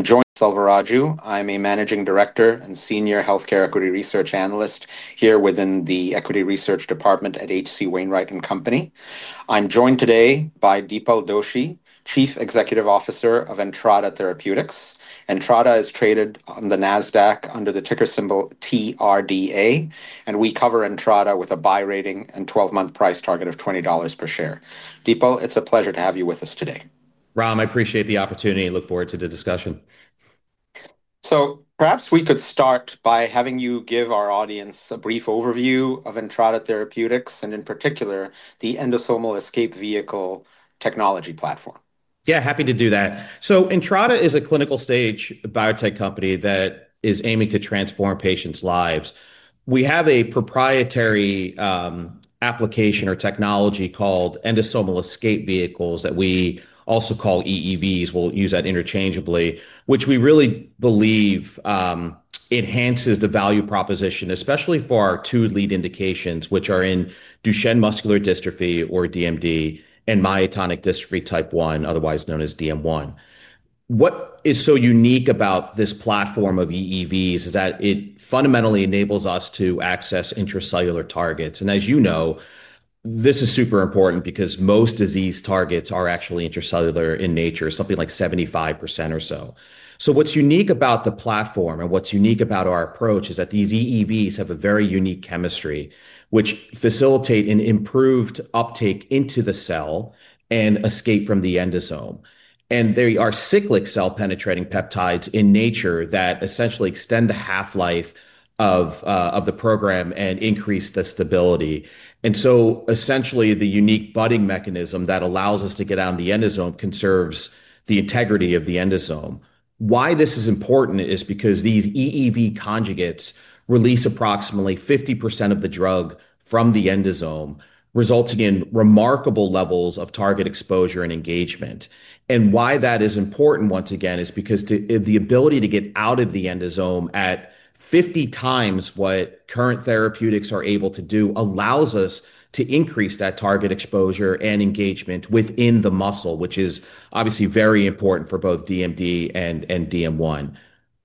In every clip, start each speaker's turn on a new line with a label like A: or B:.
A: I'm joined by Dr. Salva Raggio. I'm a Managing Director and Senior Healthcare Equity Research Analyst here within the Equity Research Department at H.C. Wainwright & Company. I'm joined today by Dipal Doshi, Chief Executive Officer of Entrada Therapeutics. Entrada is traded on the Nasdaq under the ticker symbol TRDA, and we cover Entrada with a buy rating and 12-month price target of $20 per share. Dipal, it's a pleasure to have you with us today.
B: Ram, I appreciate the opportunity and look forward to the discussion.
A: Perhaps we could start by having you give our audience a brief overview of Entrada Therapeutics and, in particular, the Endosomal Escape Vehicle technology platform.
B: Yeah, happy to do that. Entrada is a clinical stage biotech company that is aiming to transform patients' lives. We have a proprietary application or technology called Endosomal Escape Vehicles that we also call EEVs. We'll use that interchangeably, which we really believe enhances the value proposition, especially for our two lead indications, which are in Duchenne muscular dystrophy, or DMD, and myotonic dystrophy type 1, otherwise known as DM1. What is so unique about this platform of EEVs is that it fundamentally enables us to access intracellular targets. As you know, this is super important because most disease targets are actually intracellular in nature, something like 75% or so. What's unique about the platform and what's unique about our approach is that these EEVs have a very unique chemistry, which facilitates an improved uptake into the cell and escape from the endosome. They are cyclic cell penetrating peptides in nature that essentially extend the half-life of the program and increase the stability. Essentially, the unique budding mechanism that allows us to get on the endosome conserves the integrity of the endosome. This is important because these EEV conjugates release approximately 50% of the drug from the endosome, resulting in remarkable levels of target exposure and engagement. This is important, once again, because the ability to get out of the endosome at 50x what current therapeutics are able to do allows us to increase that target exposure and engagement within the muscle, which is obviously very important for both DMD and DM1.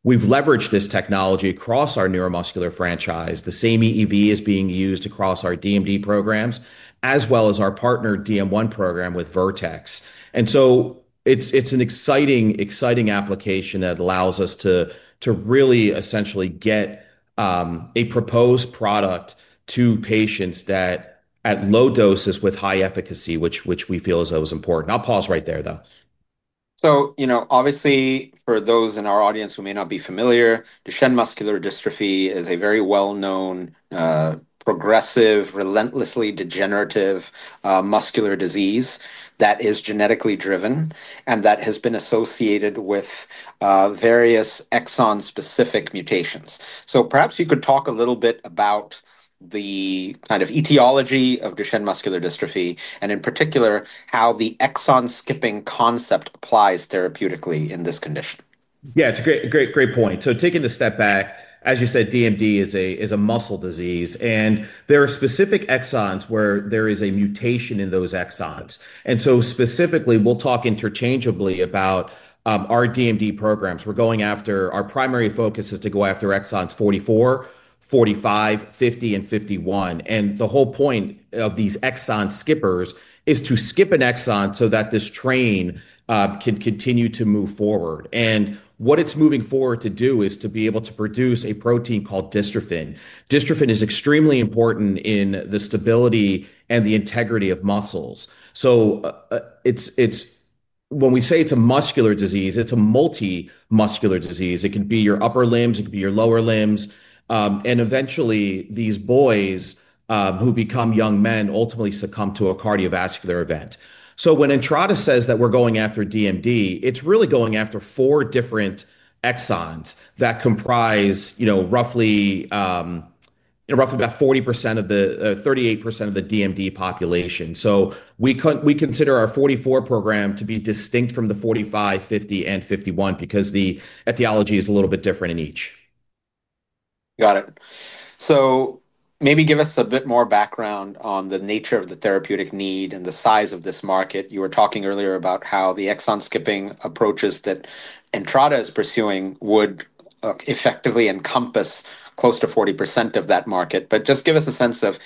B: We've leveraged this technology across our neuromuscular franchise. The same EEV is being used across our DMD programs, as well as our partner DM1 program with Vertex. It's an exciting application that allows us to really essentially get a proposed product to patients at low doses with high efficacy, which we feel is always important. I'll pause right there, though.
A: Obviously, for those in our audience who may not be familiar, Duchenne muscular dystrophy is a very well-known, progressive, relentlessly degenerative muscular disease that is genetically driven and that has been associated with various exon-specific mutations. Perhaps you could talk a little bit about the kind of etiology of Duchenne muscular dystrophy and, in particular, how the exon-skipping concept applies therapeutically in this condition.
B: Yeah, it's a great point. Taking a step back, as you said, DMD is a muscle disease, and there are specific exons where there is a mutation in those exons. Specifically, we'll talk interchangeably about our DMD programs. We're going after our primary focus is to go after exons 44, 45, 50, and 51. The whole point of these exon skippers is to skip an exon so that this train can continue to move forward. What it's moving forward to do is to be able to produce a protein called dystrophin. Dystrophin is extremely important in the stability and the integrity of muscles. When we say it's a muscular disease, it's a multi-muscular disease. It could be your upper limbs, it could be your lower limbs. Eventually, these boys who become young men ultimately succumb to a cardiovascular event. When Entrada says that we're going after DMD, it's really going after four different exons that comprise roughly about 40% or 38% of the DMD population. We consider our 44 program to be distinct from the 45, 50, and 51 because the etiology is a little bit different in each.
A: Got it. Maybe give us a bit more background on the nature of the therapeutic need and the size of this market. You were talking earlier about how the exon-skipping approaches that Entrada is pursuing would effectively encompass close to 40% of that market. Just give us a sense of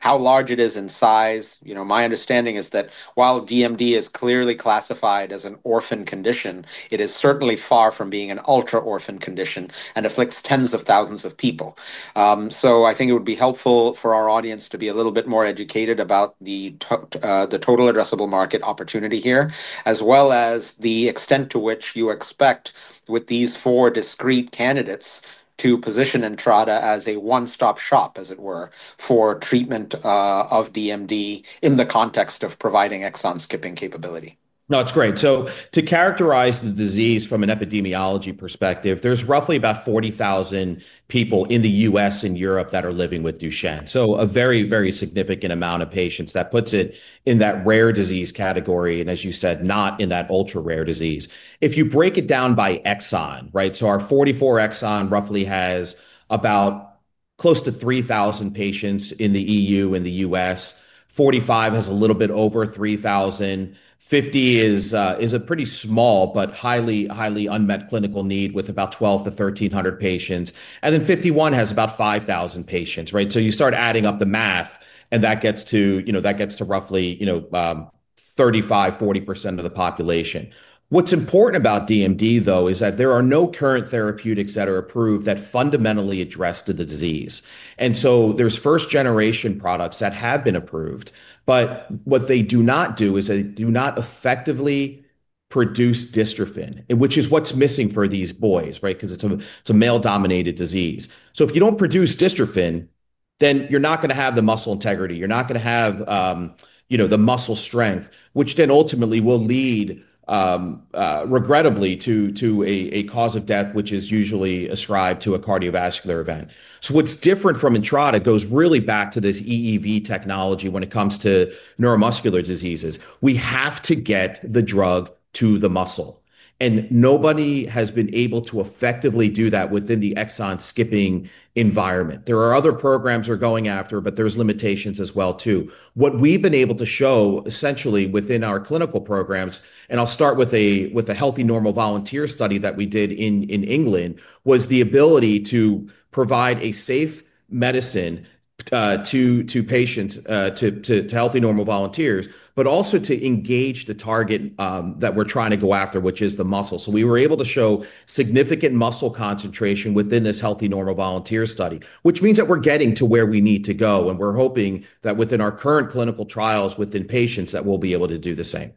A: how large it is in size. My understanding is that while DMD is clearly classified as an orphan condition, it is certainly far from being an ultra-orphan condition and afflicts tens of thousands of people. I think it would be helpful for our audience to be a little bit more educated about the total addressable market opportunity here, as well as the extent to which you expect with these four discrete candidates to position Entrada as a one-stop shop, as it were, for treatment of DMD in the context of providing exon-skipping capability.
B: No, it's great. To characterize the disease from an epidemiology perspective, there's roughly about 40,000 people in the U.S. and Europe that are living with Duchenne, so a very, very significant amount of patients. That puts it in that rare disease category, and as you said, not in that ultra-rare disease. If you break it down by exon, right, so our 44 exon roughly has about close to 3,000 patients in the EU and the U.S. 45 has a little bit over 3,000. 50 is a pretty small but highly unmet clinical need with about 1,200 to 1,300 patients. 51 has about 5,000 patients, right? You start adding up the math, and that gets to roughly 35-40% of the population. What's important about DMD, though, is that there are no current therapeutics that are approved that fundamentally address the disease. There are first-generation products that have been approved, but what they do not do is they do not effectively produce dystrophin, which is what's missing for these boys, right? Because it's a male-dominated disease. If you don't produce dystrophin, then you're not going to have the muscle integrity. You're not going to have the muscle strength, which ultimately will lead, regrettably, to a cause of death, which is usually ascribed to a cardiovascular event. What's different from Entrada goes really back to this EEV technology when it comes to neuromuscular diseases. We have to get the drug to the muscle, and nobody has been able to effectively do that within the exon-skipping environment. There are other programs we're going after, but there's limitations as well, too. What we've been able to show, essentially, within our clinical programs, and I'll start with a Healthy Normal Volunteer study that we did in England, was the ability to provide a safe medicine to patients, to Healthy Normal Volunteers, but also to engage the target that we're trying to go after, which is the muscle. We were able to show significant muscle concentration within this Healthy Normal Volunteer study, which means that we're getting to where we need to go, and we're hoping that within our current clinical trials within patients, that we'll be able to do the same.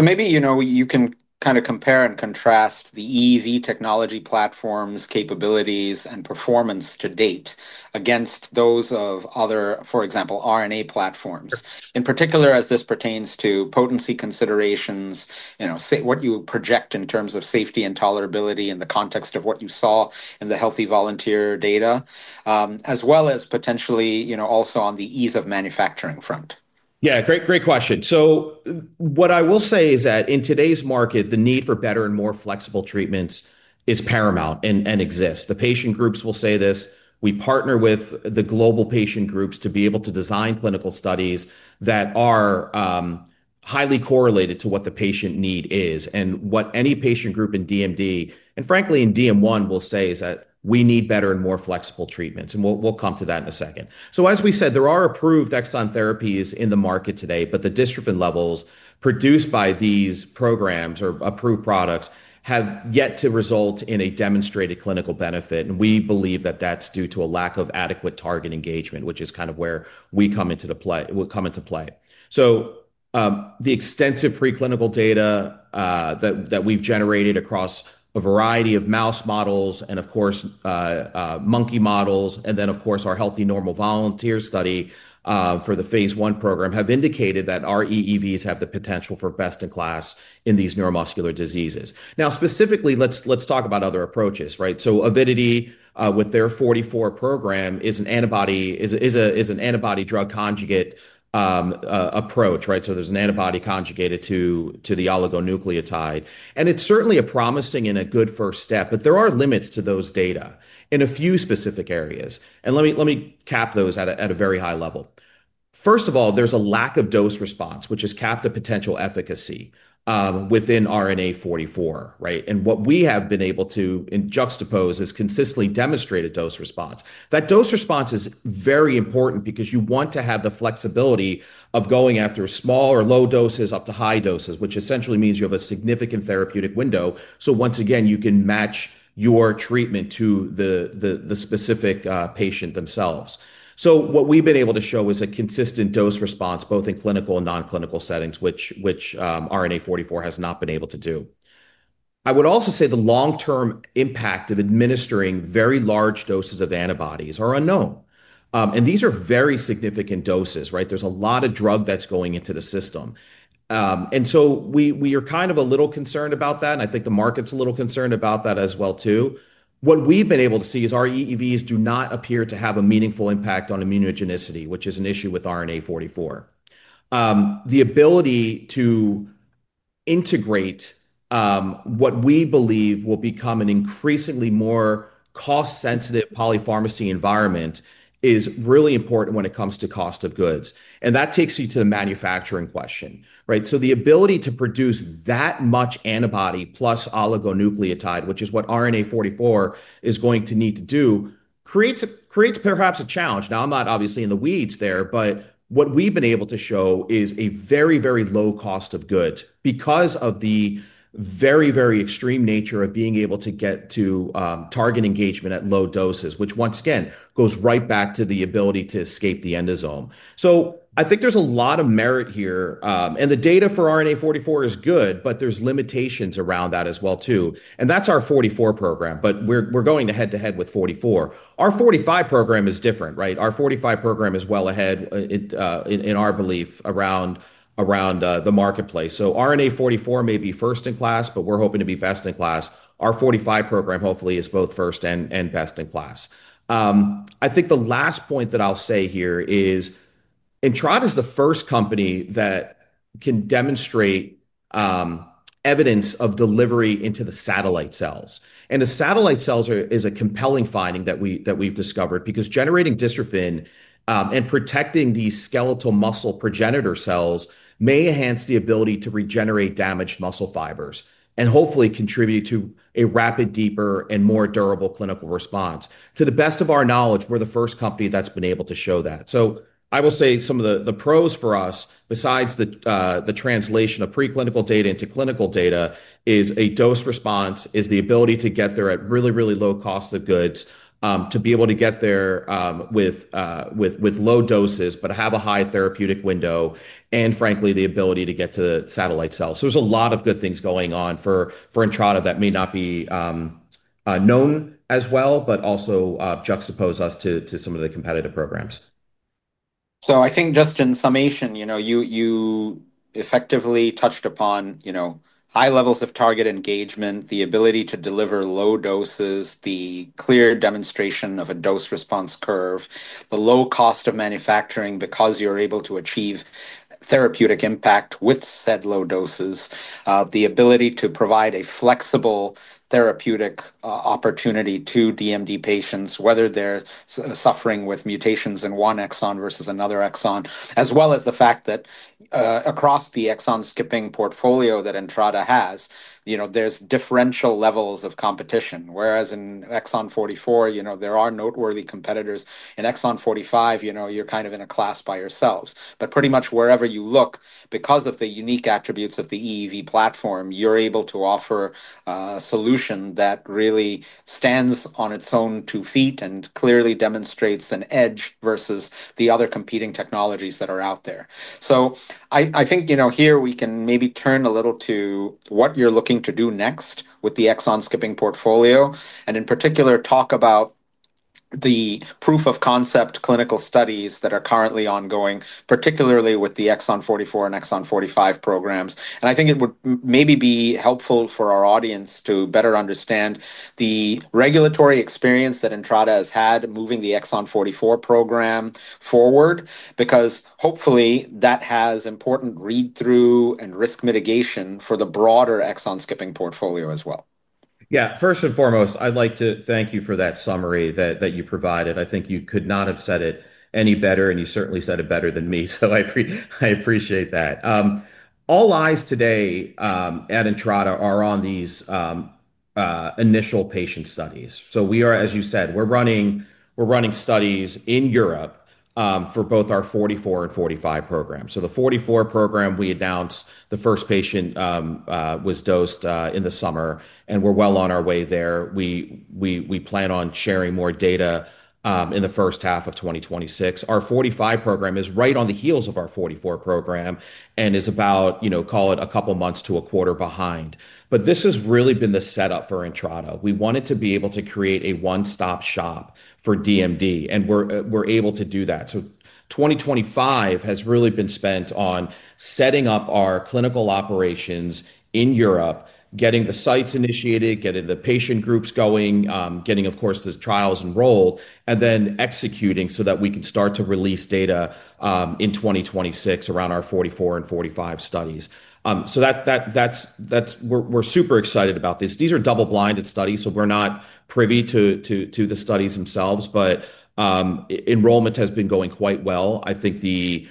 A: Maybe you can kind of compare and contrast the EEV technology platform's capabilities and performance to date against those of other, for example, RNA platforms, in particular as this pertains to potency considerations, what you project in terms of safety and tolerability in the context of what you saw in the Healthy Volunteer data, as well as potentially also on the ease of manufacturing front.
B: Yeah, great question. What I will say is that in today's market, the need for better and more flexible treatments is paramount and exists. The patient groups will say this. We partner with the global patient groups to be able to design clinical studies that are highly correlated to what the patient need is. What any patient group in DMD, and frankly in DM1, will say is that we need better and more flexible treatments. We'll come to that in a second. As we said, there are approved exon therapies in the market today, but the dystrophin levels produced by these programs or approved products have yet to result in a demonstrated clinical benefit. We believe that that's due to a lack of adequate target engagement, which is kind of where we come into play. The extensive preclinical data that we've generated across a variety of mouse models and, of course, monkey models, and then, of course, our Healthy Normal Volunteer study for the phase I program have indicated that our EEVs have the potential for best-in-class in these neuromuscular diseases. Now, specifically, let's talk about other approaches, right? Avidity, with their 44 program, is an antibody-drug conjugate approach, right? There's an antibody conjugated to the oligonucleotide. It's certainly a promising and a good first step, but there are limits to those data in a few specific areas. Let me cap those at a very high level. First of all, there's a lack of dose response, which has capped the potential efficacy within RNA-44, right? What we have been able to juxtapose is consistently demonstrated dose response. That dose response is very important because you want to have the flexibility of going after smaller low doses up to high doses, which essentially means you have a significant therapeutic window. Once again, you can match your treatment to the specific patient themselves. What we've been able to show is a consistent dose response both in clinical and non-clinical settings, which RNA-44 has not been able to do. I would also say the long-term impact of administering very large doses of antibodies is unknown. These are very significant doses, right? There's a lot of drug that's going into the system. We are kind of a little concerned about that. I think the market's a little concerned about that as well, too. What we've been able to see is our EEVs do not appear to have a meaningful impact on immunogenicity, which is an issue with RNA-44. The ability to integrate what we believe will become an increasingly more cost-sensitive polypharmacy environment is really important when it comes to cost of goods. That takes you to the manufacturing question, right? The ability to produce that much antibody plus oligonucleotide, which is what RNA-44 is going to need to do, creates perhaps a challenge. Now, I'm not obviously in the weeds there, but what we've been able to show is a very, very low cost of goods because of the very, very extreme nature of being able to get to target engagement at low doses, which once again goes right back to the ability to escape the endosome. I think there's a lot of merit here. The data for RNA-44 is good, but there are limitations around that as well, too. That's our 44 program, but we're going head to head with 44. Our 45 program is different, right? Our 45 program is well ahead, in our belief, around the marketplace. RNA-44 may be first-in-class, but we're hoping to be best-in-class. Our 45 program hopefully is both first and best-in-class. I think the last point that I'll say here is Entrada is the first company that can demonstrate evidence of delivery into the satellite cells. The satellite cells are a compelling finding that we've discovered because generating dystrophin and protecting these skeletal muscle progenitor cells may enhance the ability to regenerate damaged muscle fibers and hopefully contribute to a rapid, deeper, and more durable clinical response. To the best of our knowledge, we're the first company that's been able to show that. I will say some of the pros for us, besides the translation of preclinical data into clinical data, is a dose response, is the ability to get there at really, really low cost of goods, to be able to get there with low doses but have a high therapeutic window, and frankly, the ability to get to the satellite cells. There are a lot of good things going on for Entrada that may not be known as well, but also juxtapose us to some of the competitive programs.
A: I think just in summation, you know, you effectively touched upon high levels of target engagement, the ability to deliver low doses, the clear demonstration of a dose response curve, the low cost of manufacturing because you're able to achieve therapeutic impact with said low doses, the ability to provide a flexible therapeutic opportunity to DMD patients, whether they're suffering with mutations in one exon versus another exon, as well as the fact that across the exon-skipping portfolio that Entrada has, there's differential levels of competition. Whereas in exon 44, there are noteworthy competitors. In exon 45, you're kind of in a class by yourselves. Pretty much wherever you look, because of the unique attributes of the EEV platform, you're able to offer a solution that really stands on its own two feet and clearly demonstrates an edge versus the other competing technologies that are out there. I think here we can maybe turn a little to what you're looking to do next with the exon-skipping portfolio, and in particular talk about the proof of concept clinical studies that are currently ongoing, particularly with the exon 44 and exon 45 programs. I think it would maybe be helpful for our audience to better understand the regulatory experience that Entrada has had moving the exon 44 program forward, because hopefully that has important read-through and risk mitigation for the broader exon-skipping portfolio as well.
B: Yeah, first and foremost, I'd like to thank you for that summary that you provided. I think you could not have said it any better, and you certainly said it better than me. I appreciate that. All eyes today at Entrada are on these initial patient studies. We are, as you said, we're running studies in Europe for both our 44 and 45 programs. The 44 program, we announced the first patient was dosed in the summer, and we're well on our way there. We plan on sharing more data in the first half of 2026. Our 45 program is right on the heels of our 44 program and is about, you know, call it a couple months to a quarter behind. This has really been the setup for Entrada. We wanted to be able to create a one-stop shop for DMD, and we're able to do that. 2025 has really been spent on setting up our clinical operations in Europe, getting the sites initiated, getting the patient groups going, getting, of course, the trials enrolled, and then executing so that we can start to release data in 2026 around our 44 and 45 studies. We're super excited about this. These are double-blinded studies, so we're not privy to the studies themselves, but enrollment has been going quite well. I think the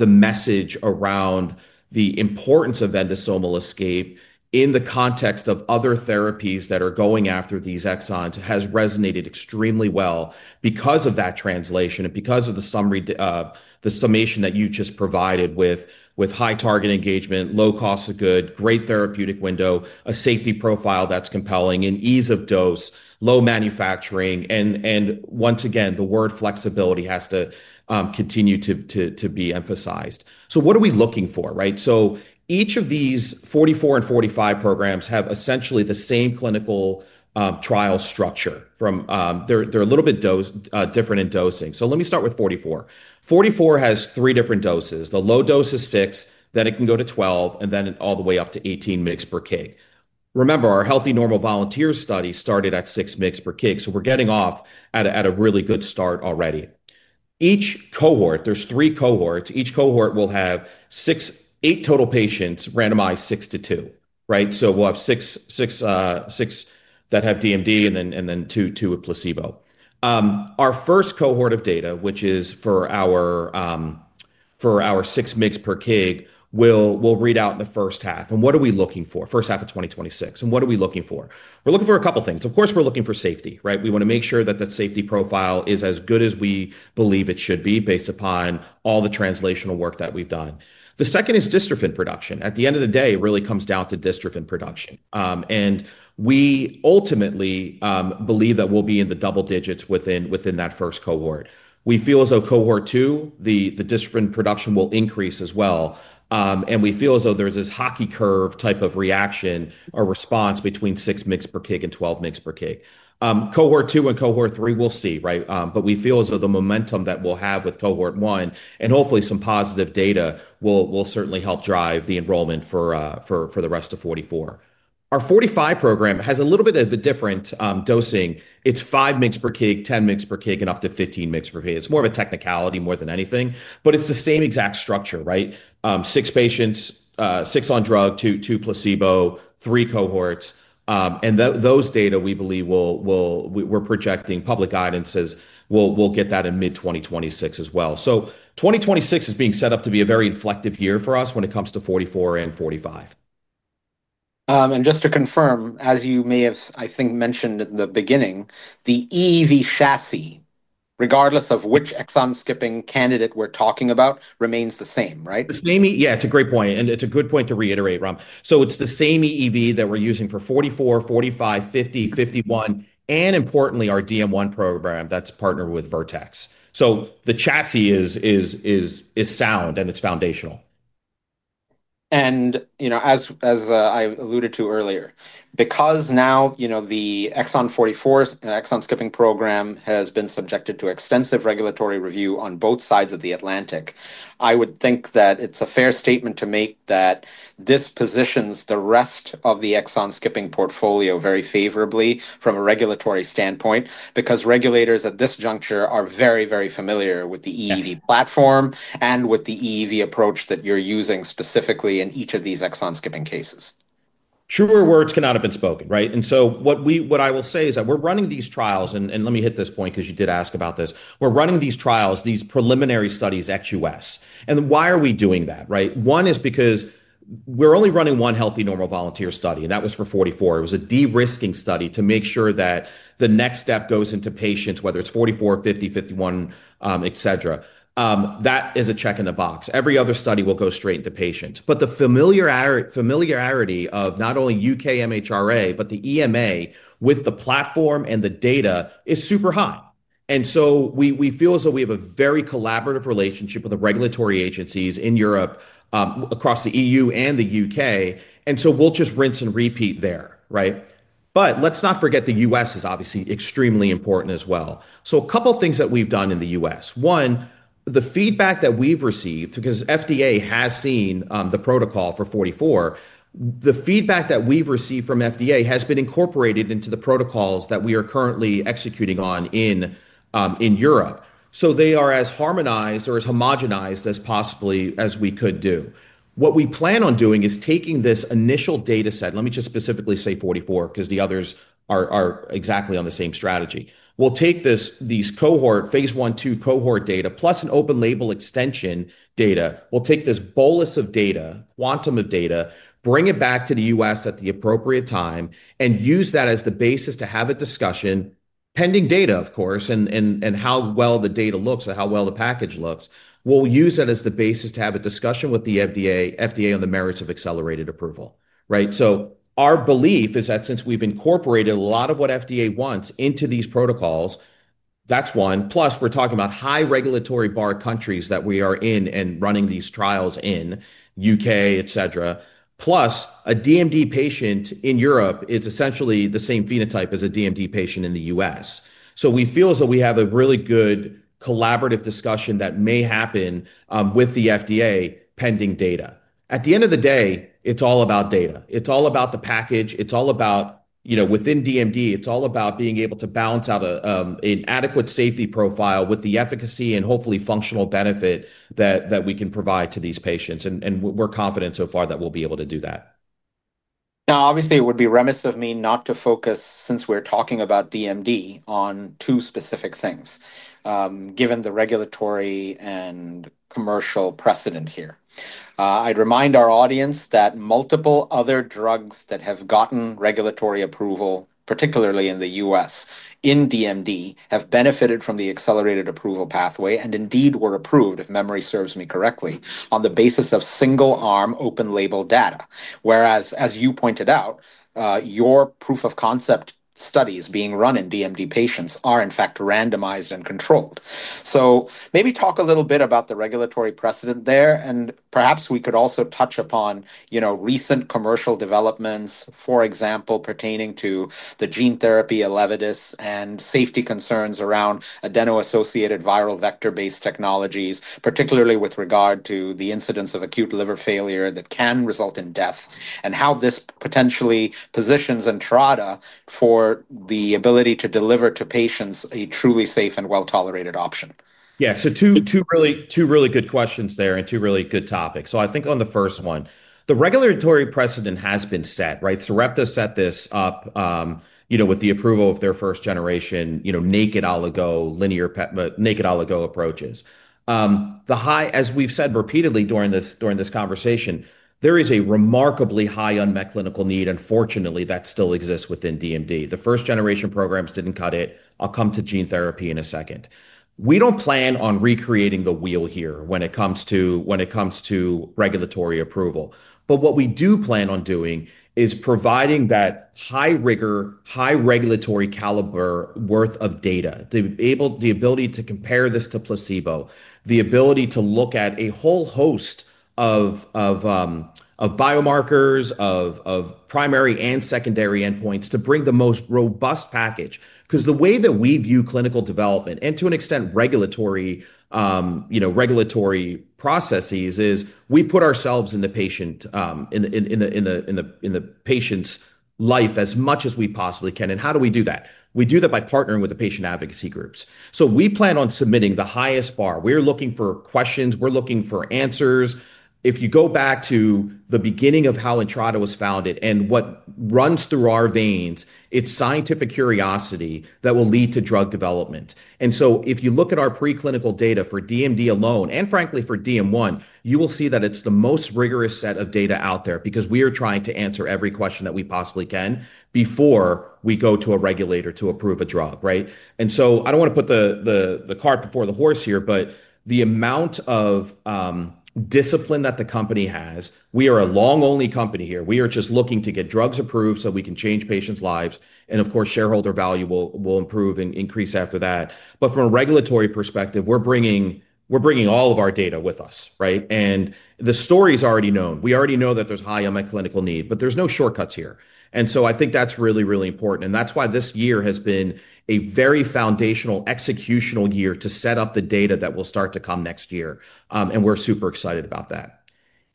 B: message around the importance of endosomal escape in the context of other therapies that are going after these exons has resonated extremely well because of that translation and because of the summation that you just provided with high target engagement, low cost of goods, great therapeutic window, a safety profile that's compelling, an ease of dose, low manufacturing, and once again, the word flexibility has to continue to be emphasized. What are we looking for, right? Each of these 44 and 45 programs have essentially the same clinical trial structure. They're a little bit different in dosing. Let me start with 44. 44 has three different doses. The low dose is 6, then it can go to 12, and then all the way up to 18 mg/kg. Remember, our Healthy Normal Volunteer study started at 6 mg/kg. We're getting off at a really good start already. Each cohort, there's three cohorts. Each cohort will have eight total patients randomized six to two, right? We'll have six that have DMD and then two with placebo. Our first cohort of data, which is for our 6 mg/kg, will read out in the first half. What are we looking for? First half of 2026. What are we looking for? We're looking for a couple of things. Of course, we're looking for safety, right? We want to make sure that that safety profile is as good as we believe it should be based upon all the translational work that we've done. The second is dystrophin production. At the end of the day, it really comes down to dystrophin production. We ultimately believe that we'll be in the double digits within that first cohort. We feel as though cohort two, the dystrophin production will increase as well. We feel as though there's this hockey curve type of reaction or response between 6 mg per kg and 12 mg per kg. Cohort two and cohort three, we'll see, right? We feel as though the momentum that we'll have with cohort one and hopefully some positive data will certainly help drive the enrollment for the rest of 44. Our 45 program has a little bit of a different dosing. It's 5 mg per kg, 10 mg per kg, and up to 15 mg per kg. It's more of a technicality more than anything, but it's the same exact structure, right? Six patients, six on drug, two placebo, three cohorts. Those data we believe we're projecting public guidance is we'll get that in mid-2026 as well. 2026 is being set up to be a very inflective year for us when it comes to 44 and 45.
A: Just to confirm, as you mentioned in the beginning, the EEV chassis, regardless of which exon-skipping candidate we're talking about, remains the same, right?
B: Yeah, it's a great point. It's a good point to reiterate, Ram. It's the same EEV that we're using for 44, 45, 50, 51, and importantly, our DM1 program that's partnered with Vertex. The chassis is sound and it's foundational.
A: As I alluded to earlier, because now the exo-44 and exon-skipping program has been subjected to extensive regulatory review on both sides of the Atlantic, I would think that it's a fair statement to make that this positions the rest of the exon-skipping portfolio very favorably from a regulatory standpoint because regulators at this juncture are very, very familiar with the EEV platform and with the EEV approach that you're using specifically in each of these exon-skipping cases.
B: Truer words cannot have been spoken, right? What I will say is that we're running these trials, and let me hit this point because you did ask about this. We're running these trials, these preliminary studies in the U.S. Why are we doing that, right? One is because we're only running one Healthy Normal Volunteer study, and that was for 44. It was a de-risking study to make sure that the next step goes into patients, whether it's 44, 50, 51, etc. That is a check in the box. Every other study will go straight into patients. The familiarity of not only U.K. MHRA, but the EMA with the platform and the data is super high. We feel as though we have a very collaborative relationship with the regulatory agencies in Europe, across the EU and the U.K. We'll just rinse and repeat there, right? Let's not forget the U.S. is obviously extremely important as well. A couple of things that we've done in the U.S.: one, the feedback that we've received, because FDA has seen the protocol for 44, the feedback that we've received from FDA has been incorporated into the protocols that we are currently executing on in Europe. They are as harmonized or as homogenized as possibly as we could do. What we plan on doing is taking this initial data set, let me just specifically say 44 because the others are exactly on the same strategy. We'll take these phase I, two cohort data plus an open label extension data. We'll take this bolus of data, quantum of data, bring it back to the U.S. at the appropriate time, and use that as the basis to have a discussion, pending data, of course, and how well the data looks or how well the package looks. We'll use that as the basis to have a discussion with the FDA on the merits of accelerated approval, right? Our belief is that since we've incorporated a lot of what FDA wants into these protocols, that's one. Plus, we're talking about high regulatory bar countries that we are in and running these trials in, UK, etc. Plus, a DMD patient in Europe is essentially the same phenotype as a DMD patient in the U.S. We feel as though we have a really good collaborative discussion that may happen with the FDA pending data. At the end of the day, it's all about data. It's all about the package. Within DMD, it's all about being able to balance out an adequate safety profile with the efficacy and hopefully functional benefit that we can provide to these patients. We're confident so far that we'll be able to do that.
A: Now, obviously, it would be remiss of me not to focus, since we're talking about DMD, on two specific things, given the regulatory and commercial precedent here. I'd remind our audience that multiple other drugs that have gotten regulatory approval, particularly in the U.S., in DMD, have benefited from the accelerated approval pathway and indeed were approved, if memory serves me correctly, on the basis of single-arm open label data. Whereas, as you pointed out, your proof of concept studies being run in DMD patients are, in fact, randomized and controlled. Maybe talk a little bit about the regulatory precedent there, and perhaps we could also touch upon recent commercial developments, for example, pertaining to the gene therapy ElevidysELEVIDYS and safety concerns around adeno-associated viral vector-based technologies, particularly with regard to the incidence of acute liver failure that can result in death, and how this potentially positions Entrada for the ability to deliver to patients a truly safe and well-tolerated option.
B: Yeah, two really good questions there and two really good topics. I think on the first one, the regulatory precedent has been set, right? REPTA set this up with the approval of their first-generation naked oligo approaches. As we've said repeatedly during this conversation, there is a remarkably high unmet clinical need, and fortunately, that still exists within DMD. The first-generation programs didn't cut it. I'll come to gene therapy in a second. We don't plan on recreating the wheel here when it comes to regulatory approval. What we do plan on doing is providing that high rigor, high regulatory caliber worth of data, the ability to compare this to placebo, the ability to look at a whole host of biomarkers, of primary and secondary endpoints to bring the most robust package. The way that we view clinical development and, to an extent, regulatory processes is we put ourselves in the patient's life as much as we possibly can. How do we do that? We do that by partnering with the patient advocacy groups. We plan on submitting the highest bar. We're looking for questions. We're looking for answers. If you go back to the beginning of how Entrada was founded and what runs through our veins, it's scientific curiosity that will lead to drug development. If you look at our preclinical data for DMD alone and frankly for DM1, you will see that it's the most rigorous set of data out there because we are trying to answer every question that we possibly can before we go to a regulator to approve a drug, right? I don't want to put the cart before the horse here, but the amount of discipline that the company has, we are a long-only company here. We are just looking to get drugs approved so we can change patients' lives. Of course, shareholder value will improve and increase after that. From a regulatory perspective, we're bringing all of our data with us, right? The story is already known. We already know that there's high unmet clinical need, but there are no shortcuts here. I think that's really, really important. That's why this year has been a very foundational executional year to set up the data that will start to come next year. We're super excited about that.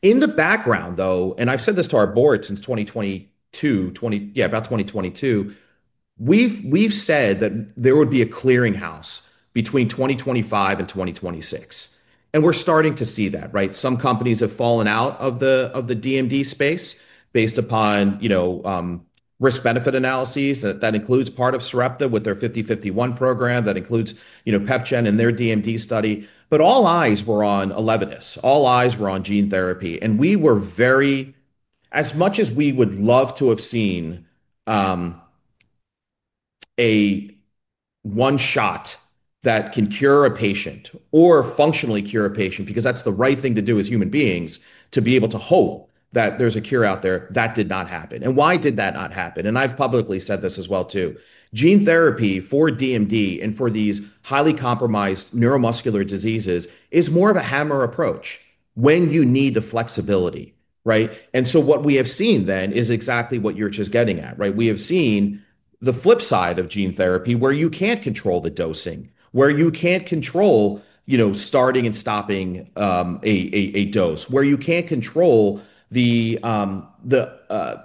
B: In the background, though, and I've said this to our board since 2022, yeah, about 2022, we've said that there would be a clearinghouse between 2025 and 2026. We're starting to see that, right? Some companies have fallen out of the DMD space based upon risk-benefit analyses. That includes part of Sarepta with their 50/51 program. That includes PepGen and their DMD study. All eyes were on Elevidys. All eyes were on gene therapy. We were very, as much as we would love to have seen a one-shot that can cure a patient or functionally cure a patient because that's the right thing to do as human beings to be able to hope that there's a cure out there, that did not happen. Why did that not happen? I've publicly said this as well, too. Gene therapy for DMD and for these highly compromised neuromuscular diseases is more of a hammer approach when you need the flexibility, right? What we have seen then is exactly what you're just getting at, right? We have seen the flip side of gene therapy where you can't control the dosing, where you can't control, you know, starting and stopping a dose, where you can't control the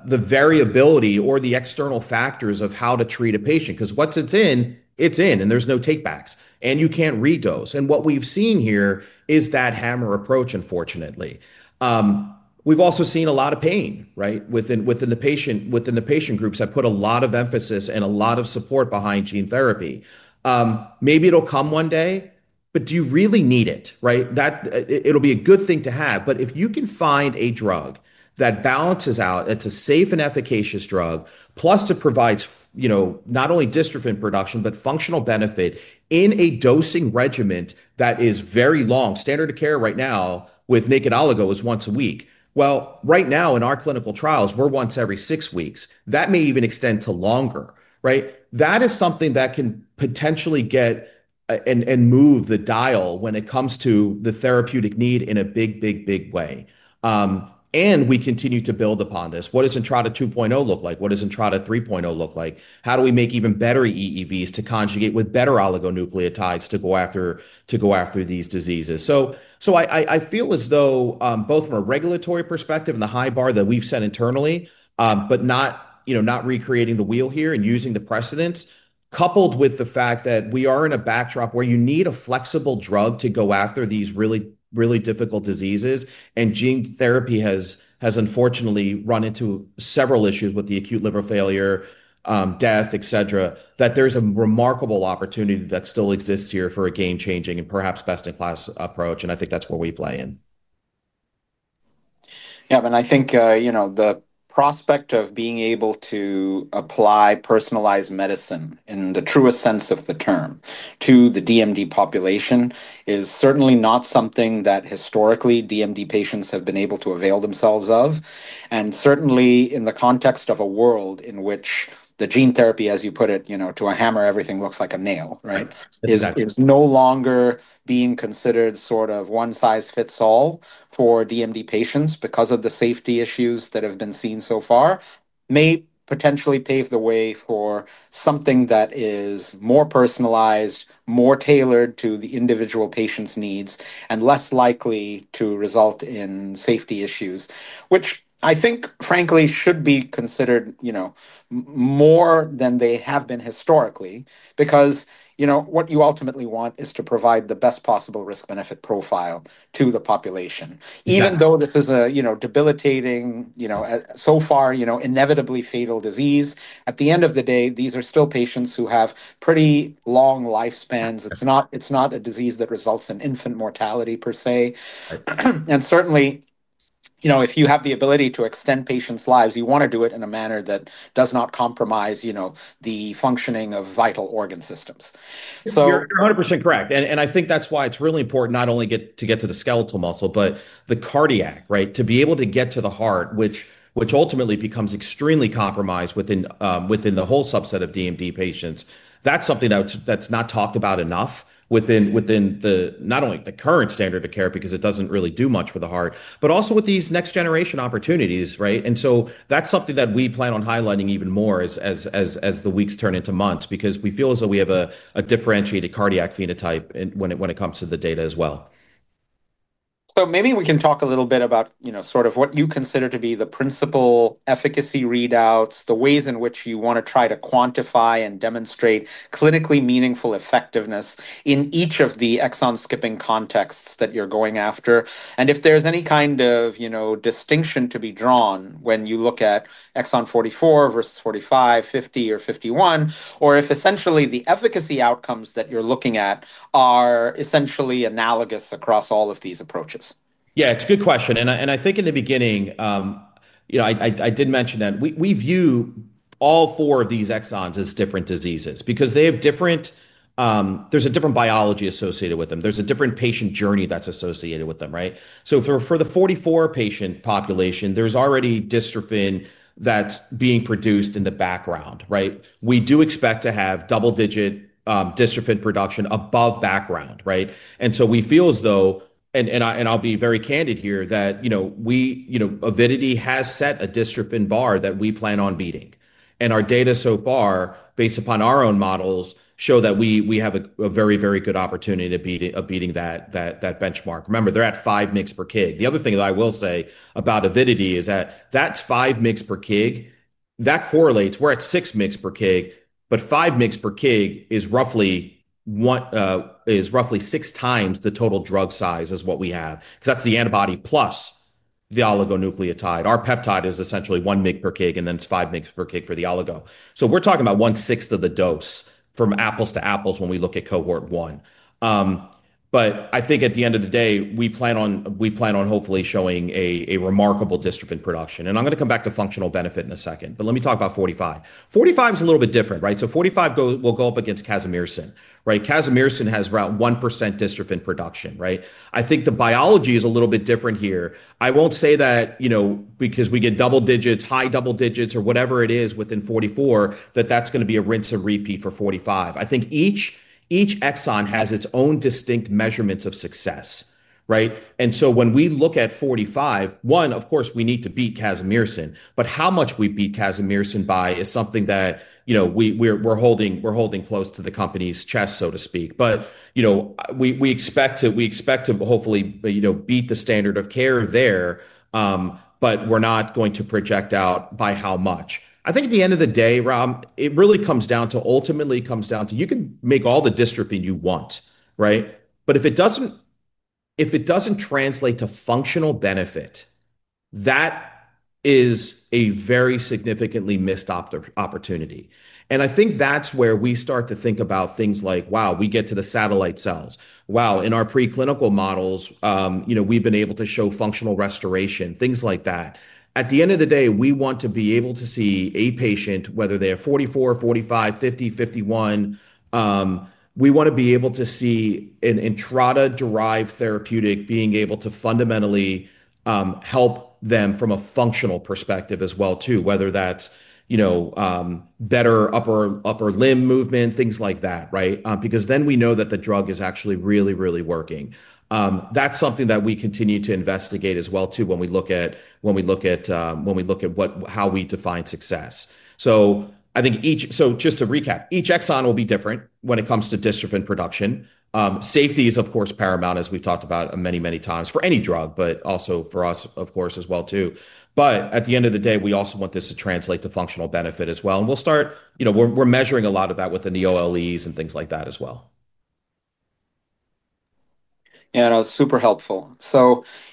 B: variability or the external factors of how to treat a patient. Once it's in, it's in, and there's no takebacks. You can't re-dose. What we've seen here is that hammer approach, unfortunately. We've also seen a lot of pain, right, within the patient groups that put a lot of emphasis and a lot of support behind gene therapy. Maybe it'll come one day, but do you really need it, right? It'll be a good thing to have. If you can find a drug that balances out, it's a safe and efficacious drug, plus it provides, you know, not only dystrophin production, but functional benefit in a dosing regimen that is very long. Standard of care right now with naked oligo is once a week. Right now in our clinical trials, we're once every six weeks. That may even extend to longer, right? That is something that can potentially get and move the dial when it comes to the therapeutic need in a big, big, big way. We continue to build upon this. What does Entrada 2.0 look like? What does Entrada 3.0 look like? How do we make even better EEVs to conjugate with better oligonucleotides to go after these diseases? I feel as though both from a regulatory perspective and the high bar that we've set internally, but not recreating the wheel here and using the precedents, coupled with the fact that we are in a backdrop where you need a flexible drug to go after these really, really difficult diseases. Gene therapy has unfortunately run into several issues with acute liver failure, death, etc. There's a remarkable opportunity that still exists here for a game-changing and perhaps best-in-class approach. I think that's where we play in.
A: Yeah, I think the prospect of being able to apply personalized medicine in the truest sense of the term to the DMD population is certainly not something that historically DMD patients have been able to avail themselves of. Certainly in the context of a world in which the gene therapy, as you put it, to a hammer, everything looks like a nail, right? It's no longer being considered sort of one size fits all for DMD patients because of the safety issues that have been seen so far. This may potentially pave the way for something that is more personalized, more tailored to the individual patient's needs, and less likely to result in safety issues, which I think frankly should be considered more than they have been historically. What you ultimately want is to provide the best possible risk-benefit profile to the population. Even though this is a debilitating, so far, inevitably fatal disease, at the end of the day, these are still patients who have pretty long lifespans. It's not a disease that results in infant mortality per se. Certainly, if you have the ability to extend patients' lives, you want to do it in a manner that does not compromise the functioning of vital organ systems.
B: 100% correct. I think that's why it's really important not only to get to the skeletal muscle, but the cardiac, right? To be able to get to the heart, which ultimately becomes extremely compromised within the whole subset of DMD patients. That's something that's not talked about enough within not only the current standard of care, because it doesn't really do much for the heart, but also with these next-generation opportunities, right? That's something that we plan on highlighting even more as the weeks turn into months, because we feel as though we have a differentiated cardiac phenotype when it comes to the data as well.
A: Maybe we can talk a little bit about what you consider to be the principal efficacy readouts, the ways in which you want to try to quantify and demonstrate clinically meaningful effectiveness in each of the exon-skipping contexts that you're going after. If there's any kind of distinction to be drawn when you look at exon 44 versus 45, 50, or 51, or if essentially the efficacy outcomes that you're looking at are essentially analogous across all of these approaches.
B: Yeah, it's a good question. I think in the beginning, you know, I did mention that we view all four of these exons as different diseases because they have different, there's a different biology associated with them. There's a different patient journey that's associated with them, right? For the 44 patient population, there's already dystrophin that's being produced in the background, right? We do expect to have double-digit dystrophin production above background, right? We feel as though, and I'll be very candid here, that, you know, Avidity has set a dystrophin bar that we plan on beating. Our data so far, based upon our own models, show that we have a very, very good opportunity of beating that benchmark. Remember, they're at 5 mg/kg. The other thing that I will say about Avidity is that that's 5 mg/kg. That correlates. We're at 6 mg/kg. 5 mg/kg is roughly six times the total drug size as what we have because that's the antibody plus the oligonucleotide. Our peptide is essentially 1 mg/kg, and then it's 5 mg/kg for the oligo. We're talking about one-sixth of the dose from apples to apples when we look at cohort one. I think at the end of the day, we plan on hopefully showing a remarkable dystrophin production. I'm going to come back to functional benefit in a second. Let me talk about 45. 45 is a little bit different, right? 45 will go up against Casimersen, right? Casimersen has about 1% dystrophin production, right? I think the biology is a little bit different here. I won't say that, you know, because we get double digits, high double digits, or whatever it is within 44, that that's going to be a rinse and repeat for 45. I think each exon has its own distinct measurements of success, right? When we look at 45, one, of course, we need to beat casimersen. How much we beat casimersen by is something that, you know, we're holding close to the company's chest, so to speak. We expect to hopefully, you know, beat the standard of care there. We're not going to project out by how much. I think at the end of the day, Ram, it really comes down to, ultimately comes down to, you can make all the dystrophin you want, right? If it doesn't translate to functional benefit, that is a very significantly missed opportunity. I think that's where we start to think about things like, wow, we get to the satellite cells. In our preclinical models, we've been able to show functional restoration, things like that. At the end of the day, we want to be able to see a patient, whether they are 44, 45, 50, 51, we want to be able to see an Entrada-derived therapeutic being able to fundamentally help them from a functional perspective as well, too. Whether that's better upper limb movement, things like that, right? Because then we know that the drug is actually really, really working. That's something that we continue to investigate as well, too, when we look at how we define success. I think each, just to recap, each exon will be different when it comes to dystrophin production. Safety is, of course, paramount, as we've talked about many, many times for any drug, but also for us, of course, as well, too. At the end of the day, we also want this to translate to functional benefit as well. We'll start, we're measuring a lot of that within the OLEs and things like that as well.
A: That's super helpful.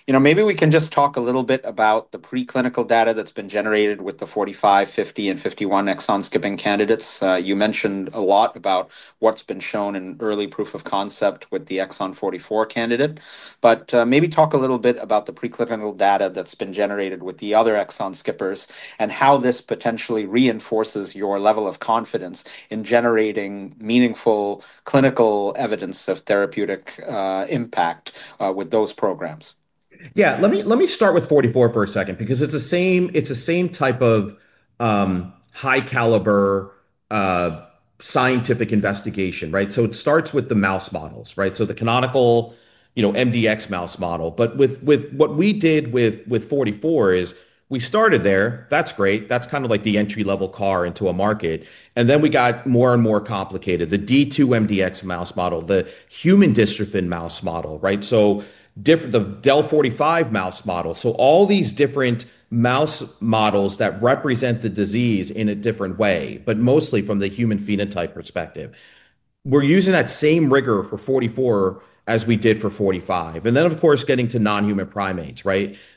A: Maybe we can just talk a little bit about the preclinical data that's been generated with the 45, 50, and 51 exon-skipping candidates. You mentioned a lot about what's been shown in early proof of concept with the exon 44 candidate. Maybe talk a little bit about the preclinical data that's been generated with the other exon skippers and how this potentially reinforces your level of confidence in generating meaningful clinical evidence of therapeutic impact with those programs.
B: Let me start with 44 for a second because it's the same type of high-caliber scientific investigation, right? It starts with the mouse models, right? The canonical MDX mouse model. With what we did with 44, we started there. That's great. That's kind of like the entry-level car into a market. We got more and more complicated. The D2 MDX mouse model, the human dystrophin mouse model, the DEL45 mouse model. All these different mouse models represent the disease in a different way, but mostly from the human phenotype perspective. We're using that same rigor for 44 as we did for 45. Of course, getting to non-human primates,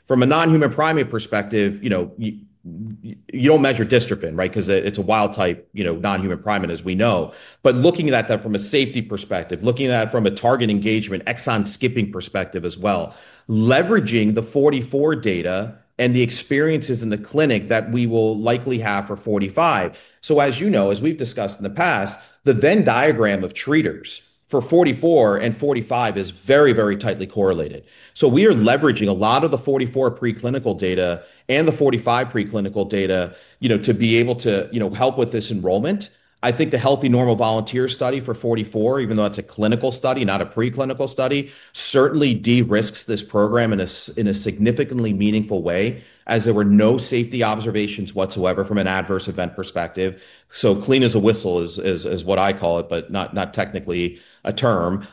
B: from a non-human primate perspective, you don't measure dystrophin, right? Because it's a wild-type, non-human primate as we know. Looking at that from a safety perspective, looking at that from a target engagement exon-skipping perspective as well, leveraging the 44 data and the experiences in the clinic that we will likely have for 45. As you know, as we've discussed in the past, the Venn diagram of treaters for 44 and 45 is very, very tightly correlated. We are leveraging a lot of the 44 preclinical data and the 45 preclinical data to be able to help with this enrollment. I think the Healthy Normal Volunteer study for 44, even though that's a clinical study, not a preclinical study, certainly de-risks this program in a significantly meaningful way as there were no safety observations whatsoever from an adverse event perspective. Clean as a whistle is what I call it, but not technically a term.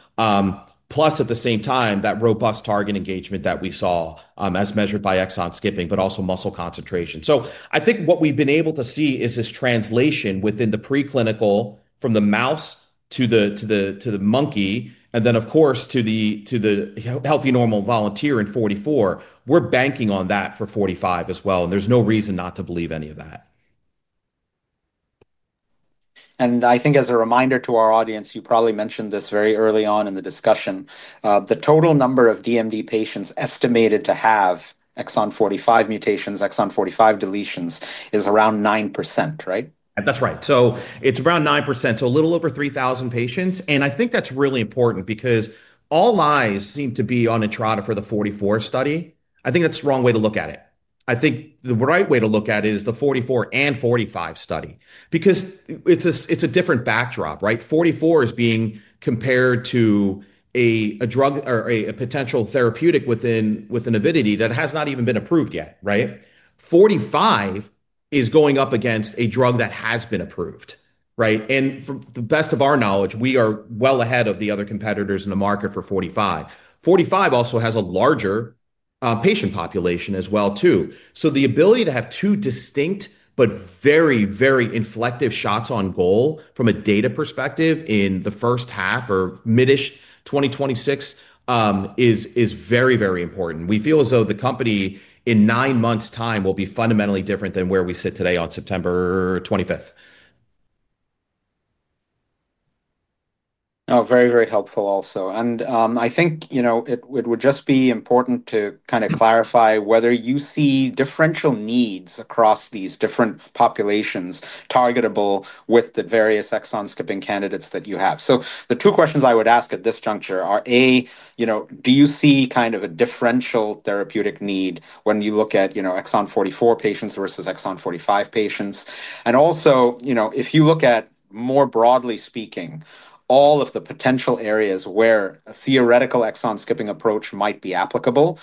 B: Plus, at the same time, that robust target engagement that we saw as measured by exon skipping, but also muscle concentration. I think what we've been able to see is this translation within the preclinical from the mouse to the monkey, and then to the Healthy Normal Volunteer in 44. We're banking on that for 45 as well, and there's no reason not to believe any of that.
A: I think as a reminder to our audience, you probably mentioned this very early on in the discussion, the total number of DMD patients estimated to have exon 45 mutations, exon 45 deletions is around 9%, right?
B: That's right. It's around 9%, so a little over 3,000 patients. I think that's really important because all eyes seem to be on Entrada for the 44 study. I think that's the wrong way to look at it. The right way to look at it is the 44 and 45 study because it's a different backdrop, right? 44 is being compared to a drug or a potential therapeutic within Avidity that has not even been approved yet, right? 45 is going up against a drug that has been approved, right? To the best of our knowledge, we are well ahead of the other competitors in the market for 45. 45 also has a larger patient population as well. The ability to have two distinct but very, very inflective shots on goal from a data perspective in the first half or mid-ish 2026 is very, very important. We feel as though the company in nine months' time will be fundamentally different than where we sit today on September 25th.
A: Very, very helpful also. I think it would just be important to clarify whether you see differential needs across these different populations targetable with the various exon-skipping candidates that you have. The two questions I would ask at this juncture are, A, do you see kind of a differential therapeutic need when you look at exon 44 patients versus exon 45 patients? Also, if you look at more broadly speaking, all of the potential areas where a theoretical exon-skipping approach might be applicable,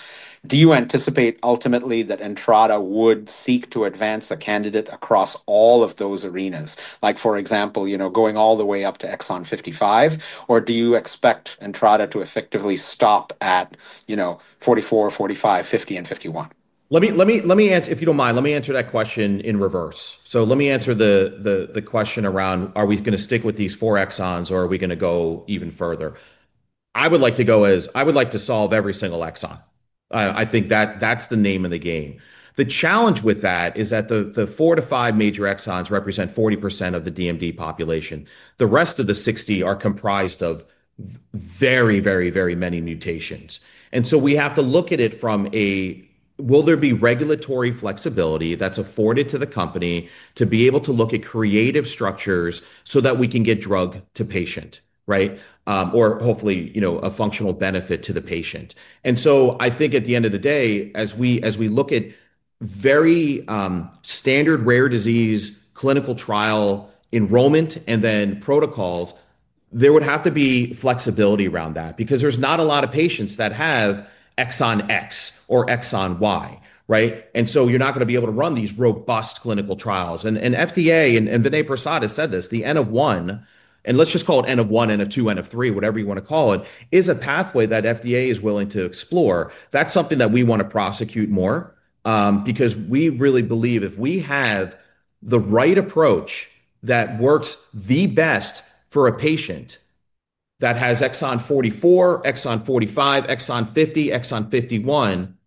A: do you anticipate ultimately that Entrada would seek to advance a candidate across all of those arenas, like for example, going all the way up to exon 55? Or do you expect Entrada Therapeutics to effectively stop at 44, 45, 50, and 51?
B: Let me answer that question in reverse. Let me answer the question around, are we going to stick with these four exons or are we going to go even further? I would like to go as, I would like to solve every single exon. I think that that's the name of the game. The challenge with that is that the four to five major exons represent 40% of the DMD population. The rest of the 60% are comprised of very, very, very many mutations. We have to look at it from a, will there be regulatory flexibility that's afforded to the company to be able to look at creative structures so that we can get drug to patient, right? Or hopefully, you know, a functional benefit to the patient. I think at the end of the day, as we look at very standard rare disease clinical trial enrollment and then protocols, there would have to be flexibility around that because there's not a lot of patients that have exon X or exon Y, right? You're not going to be able to run these robust clinical trials. FDA and Vinay Prasad has said this, the N of 1, and let's just call it N of 1, N of 2, N of 3, whatever you want to call it, is a pathway that FDA is willing to explore. That's something that we want to prosecute more because we really believe if we have the right approach that works the best for a patient that has exon 44, exon 45, exon 50, exon 51,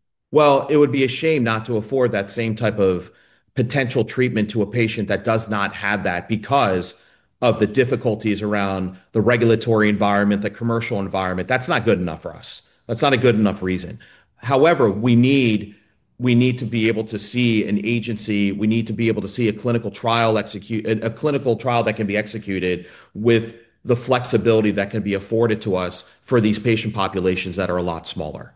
B: it would be a shame not to afford that same type of potential treatment to a patient that does not have that because of the difficulties around the regulatory environment, the commercial environment. That's not good enough for us. That's not a good enough reason. However, we need to be able to see an agency. We need to be able to see a clinical trial that can be executed with the flexibility that can be afforded to us for these patient populations that are a lot smaller.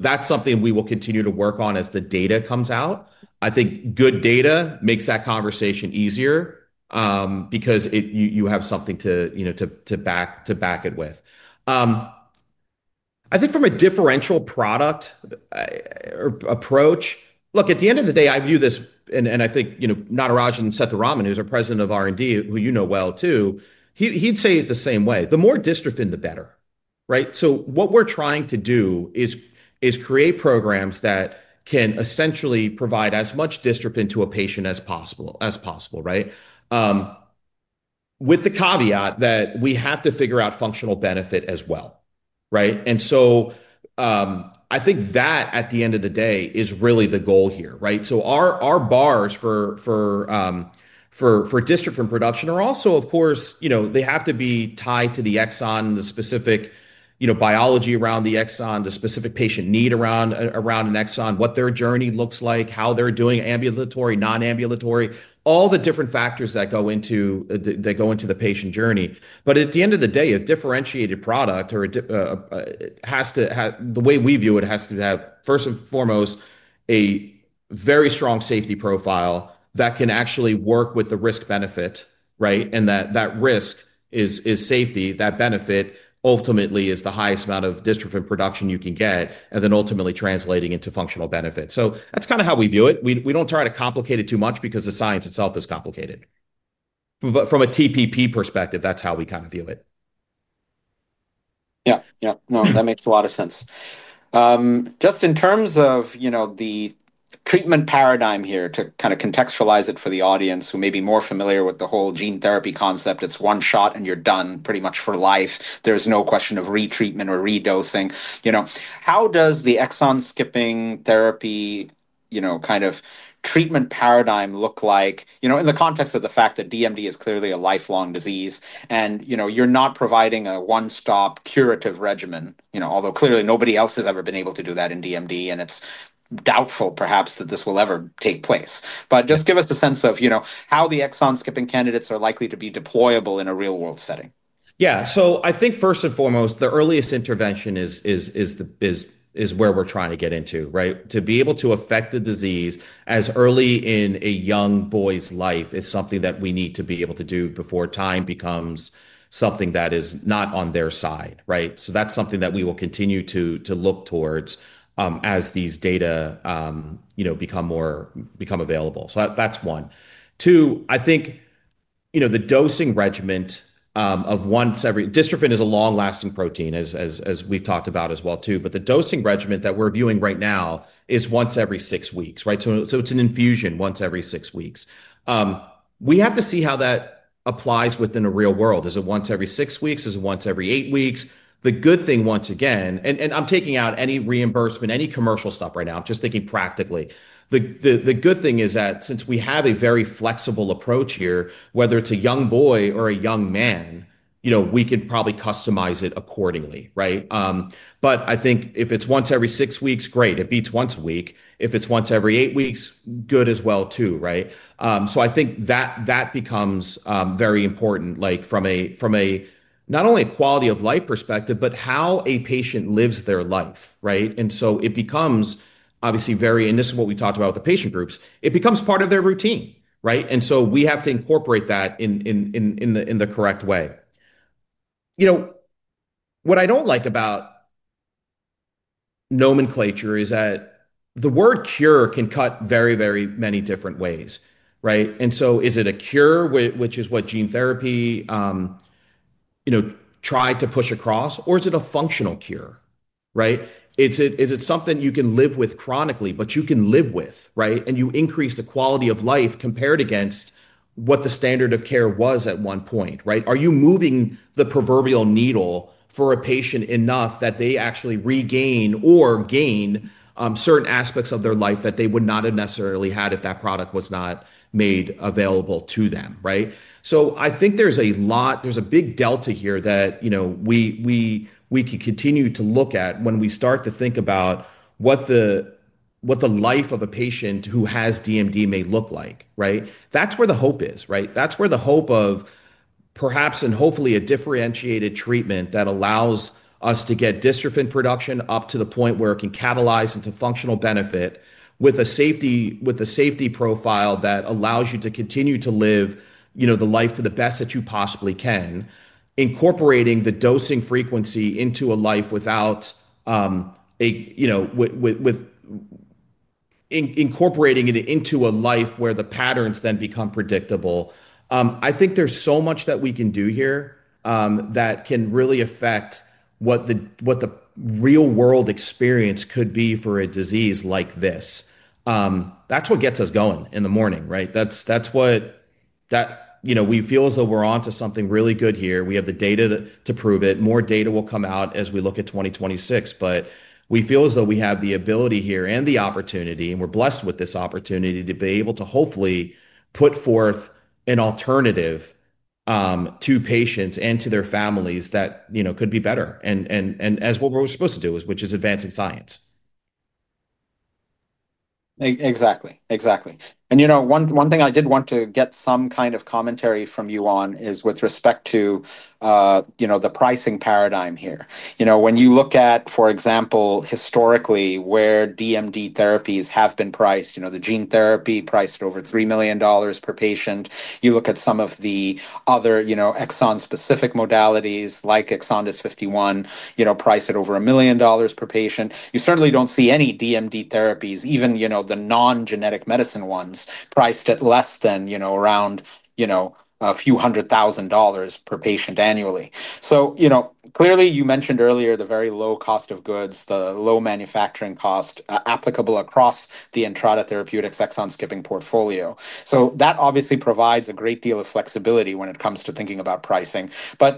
B: That's something we will continue to work on as the data comes out. I think good data makes that conversation easier because you have something to back it with. I think from a differential product approach, at the end of the day, I view this, and I think, you know, Natarajan Sethuraman, who's our President of R&D, who you know well, too, he'd say it the same way. The more dystrophin, the better, right? What we're trying to do is create programs that can essentially provide as much dystrophin to a patient as possible, as possible, right? With the caveat that we have to figure out functional benefit as well, right? I think that at the end of the day is really the goal here, right? Our bars for dystrophin production are also, of course, you know, they have to be tied to the exon, the specific, you know, biology around the exon, the specific patient need around an exon, what their journey looks like, how they're doing ambulatory, non-ambulatory, all the different factors that go into the patient journey. At the end of the day, a differentiated product has to, the way we view it, have first and foremost a very strong safety profile that can actually work with the risk-benefit, right? That risk is safety. That benefit ultimately is the highest amount of dystrophin production you can get, and then ultimately translating into functional benefit. That's kind of how we view it. We don't try to complicate it too much because the science itself is complicated. From a TPP perspective, that's how we kind of view it.
A: Yeah, yeah. No, that makes a lot of sense. Just in terms of the treatment paradigm here to kind of contextualize it for the audience who may be more familiar with the whole gene therapy concept, it's one shot and you're done pretty much for life. There's no question of retreatment or re-dosing. How does the exon-skipping therapy treatment paradigm look like in the context of the fact that DMD is clearly a lifelong disease and you're not providing a one-stop curative regimen, although clearly nobody else has ever been able to do that in DMD and it's doubtful perhaps that this will ever take place. Just give us a sense of how the exon-skipping candidates are likely to be deployable in a real-world setting.
B: Yeah, I think first and foremost, the earliest intervention is where we're trying to get into, right? To be able to affect the disease as early in a young boy's life is something that we need to be able to do before time becomes something that is not on their side, right? That's something that we will continue to look towards as these data become more, become available. That's one. Two, I think the dosing regimen of once every, dystrophin is a long-lasting protein as we've talked about as well, too. The dosing regimen that we're viewing right now is once every six weeks, right? It's an infusion once every six weeks. We have to see how that applies within a real world. Is it once every six weeks? Is it once every eight weeks? The good thing once again, and I'm taking out any reimbursement, any commercial stuff right now, I'm just thinking practically. The good thing is that since we have a very flexible approach here, whether it's a young boy or a young man, we can probably customize it accordingly, right? I think if it's once every six weeks, great, it beats once a week. If it's once every eight weeks, good as well, too, right? I think that becomes very important, like from not only a quality of life perspective, but how a patient lives their life, right? It becomes obviously very, and this is what we talked about with the patient groups, it becomes part of their routine, right? We have to incorporate that in the correct way. You know, what I don't like about nomenclature is that the word cure can cut very, very many different ways, right? Is it a cure, which is what gene therapy tried to push across, or is it a functional cure, right? Is it something you can live with chronically, but you can live with, right? You increase the quality of life compared against what the standard of care was at one point, right? Are you moving the proverbial needle for a patient enough that they actually regain or gain certain aspects of their life that they would not have necessarily had if that product was not made available to them, right? I think there's a lot, there's a big delta here that we could continue to look at when we start to think about what the life of a patient who has DMD may look like, right? That's where the hope is, right? That's where the hope of perhaps and hopefully a differentiated treatment that allows us to get dystrophin production up to the point where it can catalyze into functional benefit with a safety profile that allows you to continue to live the life to the best that you possibly can, incorporating the dosing frequency into a life where the patterns then become predictable. I think there's so much that we can do here that can really affect what the real-world experience could be for a disease like this. That's what gets us going in the morning, right? That's what we feel as though we're onto something really good here. We have the data to prove it. More data will come out as we look at 2026. We feel as though we have the ability here and the opportunity, and we're blessed with this opportunity to be able to hopefully put forth an alternative to patients and to their families that could be better. That is what we're supposed to do, which is advancing science.
A: Exactly, exactly. One thing I did want to get some kind of commentary from you on is with respect to the pricing paradigm here. When you look at, for example, historically where DMD therapies have been priced, the gene therapy priced at over $3 million per patient. You look at some of the other exon-specific modalities like exon 51, priced at over $1 million per patient. You certainly don't see any DMD therapies, even the non-genetic medicine ones, priced at less than around a few hundred thousand dollars per patient annually. Clearly, you mentioned earlier the very low cost of goods, the low manufacturing cost applicable across the Entrada Therapeutics Exon Skipping Portfolio. That obviously provides a great deal of flexibility when it comes to thinking about pricing.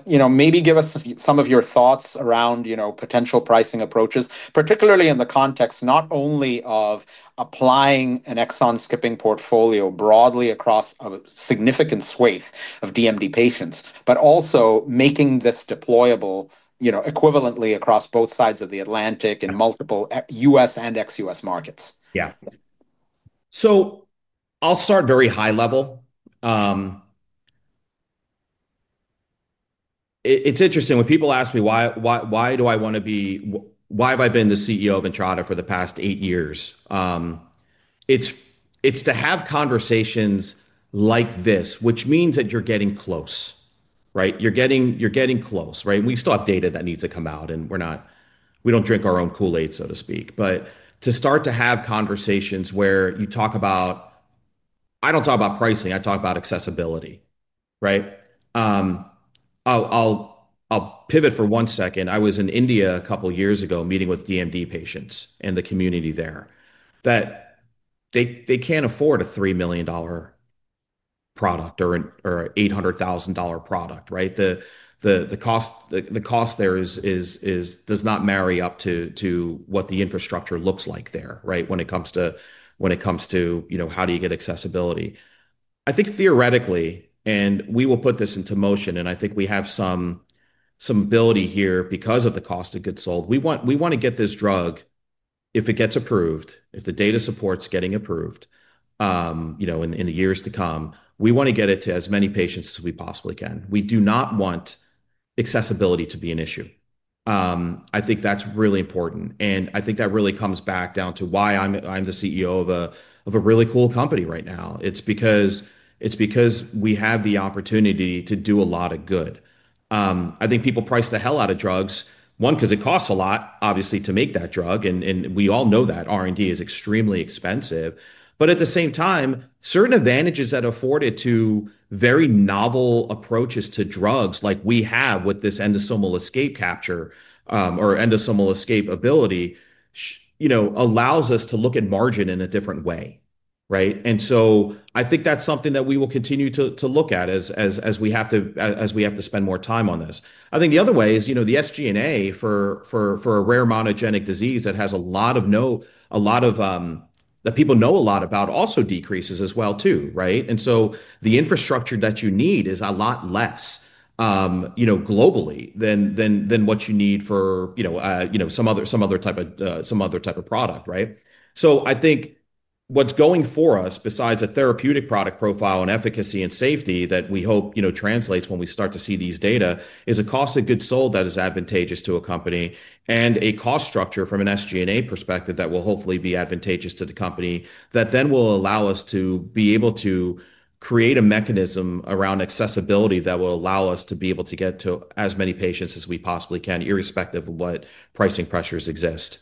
A: Maybe give us some of your thoughts around potential pricing approaches, particularly in the context not only of applying an Exon Skipping Portfolio broadly across a significant swathe of DMD patients, but also making this deployable equivalently across both sides of the Atlantic in multiple U.S. and ex-U.S. markets.
B: Yeah. I'll start very high level. It's interesting when people ask me why do I want to be, why have I been the CEO of Entrada for the past eight years. It's to have conversations like this, which means that you're getting close, right? You're getting close, right? We still have data that needs to come out, and we don't drink our own Kool-Aid, so to speak. To start to have conversations where you talk about, I don't talk about pricing, I talk about accessibility, right? I'll pivot for one second. I was in India a couple of years ago meeting with DMD patients and the community there that they can't afford a $3 million product or an $800,000 product, right? The cost there does not marry up to what the infrastructure looks like there, right? When it comes to how do you get accessibility, I think theoretically, and we will put this into motion, and I think we have some ability here because of the cost of goods sold. We want to get this drug, if it gets approved, if the data supports getting approved, in the years to come, we want to get it to as many patients as we possibly can. We do not want accessibility to be an issue. I think that's really important. I think that really comes back down to why I'm the CEO of a really cool company right now. It's because we have the opportunity to do a lot of good. I think people price the hell out of drugs, one, because it costs a lot, obviously, to make that drug. We all know that R&D is extremely expensive. At the same time, certain advantages that are afforded to very novel approaches to drugs, like we have with this endosomal escape ability, allows us to look at margin in a different way, right? I think that's something that we will continue to look at as we have to spend more time on this. The other way is, the SG&A for a rare monogenic disease that people know a lot about also decreases as well, too, right? The infrastructure that you need is a lot less globally than what you need for some other type of product, right? I think what's going for us, besides a therapeutic product profile and efficacy and safety that we hope translates when we start to see these data, is a cost of goods sold that is advantageous to a company and a cost structure from an SG&A perspective that will hopefully be advantageous to the company. That then will allow us to be able to create a mechanism around accessibility that will allow us to be able to get to as many patients as we possibly can, irrespective of what pricing pressures exist.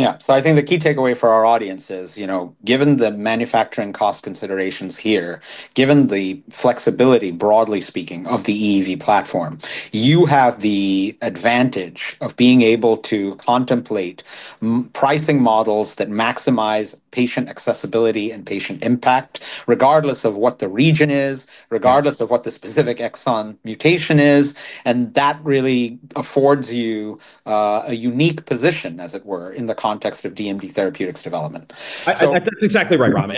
A: I think the key takeaway for our audience is, you know, given the manufacturing cost considerations here, given the flexibility, broadly speaking, of the EEV platform, you have the advantage of being able to contemplate pricing models that maximize patient accessibility and patient impact, regardless of what the region is, regardless of what the specific exon mutation is, and that really affords you a unique position, as it were, in the context of DMD therapeutics development.
B: That's exactly right, Ram.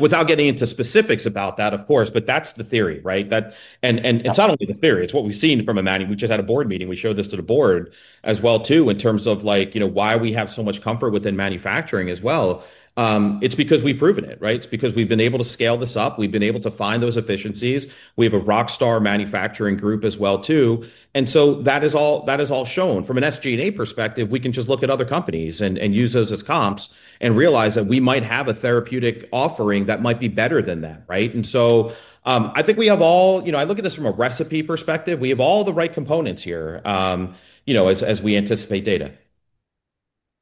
B: Without getting into specifics about that, of course, that's the theory, right? It's not only the theory, it's what we've seen from a manufacturing perspective. We just had a board meeting, we showed this to the board as well, in terms of why we have so much comfort within manufacturing as well. It's because we've proven it, right? It's because we've been able to scale this up. We've been able to find those efficiencies. We have a rockstar manufacturing group as well. That is all shown. From an SG&A perspective, we can just look at other companies and use those as comps and realize that we might have a therapeutic offering that might be better than that, right? I think we have all, I look at this from a recipe perspective. We have all the right components here as we anticipate data.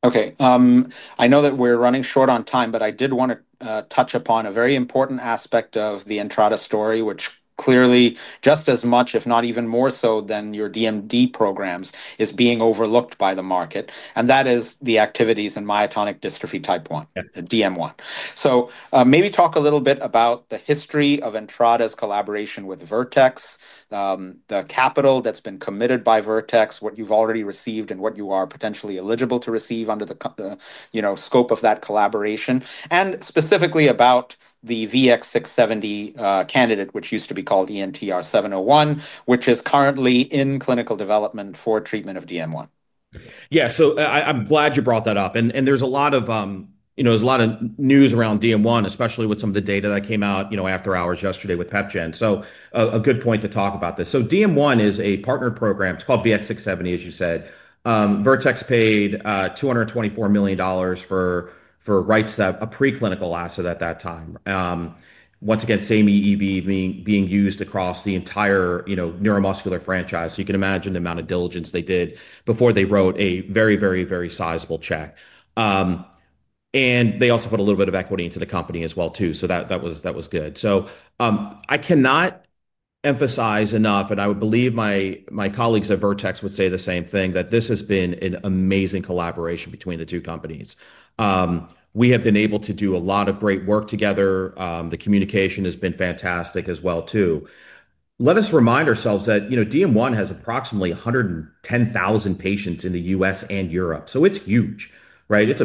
A: Okay. I know that we're running short on time, but I did want to touch upon a very important aspect of the Entrada story, which clearly, just as much, if not even more so than your DMD programs, is being overlooked by the market. That is the activities in myotonic dystrophy type 1, the DM1. Maybe talk a little bit about the history of Entrada's collaboration with Vertex, the capital that's been committed by Vertex, what you've already received, and what you are potentially eligible to receive under the scope of that collaboration, and specifically about the VX-670 candidate, which used to be called ENTR-701, which is currently in clinical development for treatment of DM1.
B: Yeah, I'm glad you brought that up. There's a lot of news around DM1, especially with some of the data that came out after hours yesterday with PepGen. A good point to talk about this. DM1 is a partnered program. It's called VX-670, as you said. Vertex paid $224 million for, right, a preclinical asset at that time. Once again, same EEV being used across the entire neuromuscular franchise. You can imagine the amount of diligence they did before they wrote a very, very, very sizable check. They also put a little bit of equity into the company as well, too. That was good. I cannot emphasize enough, and I would believe my colleagues at Vertex would say the same thing, that this has been an amazing collaboration between the two companies. We have been able to do a lot of great work together. The communication has been fantastic as well, too. Let us remind ourselves that DM1 has approximately 110,000 patients in the U.S. and Europe. It's huge, right? It's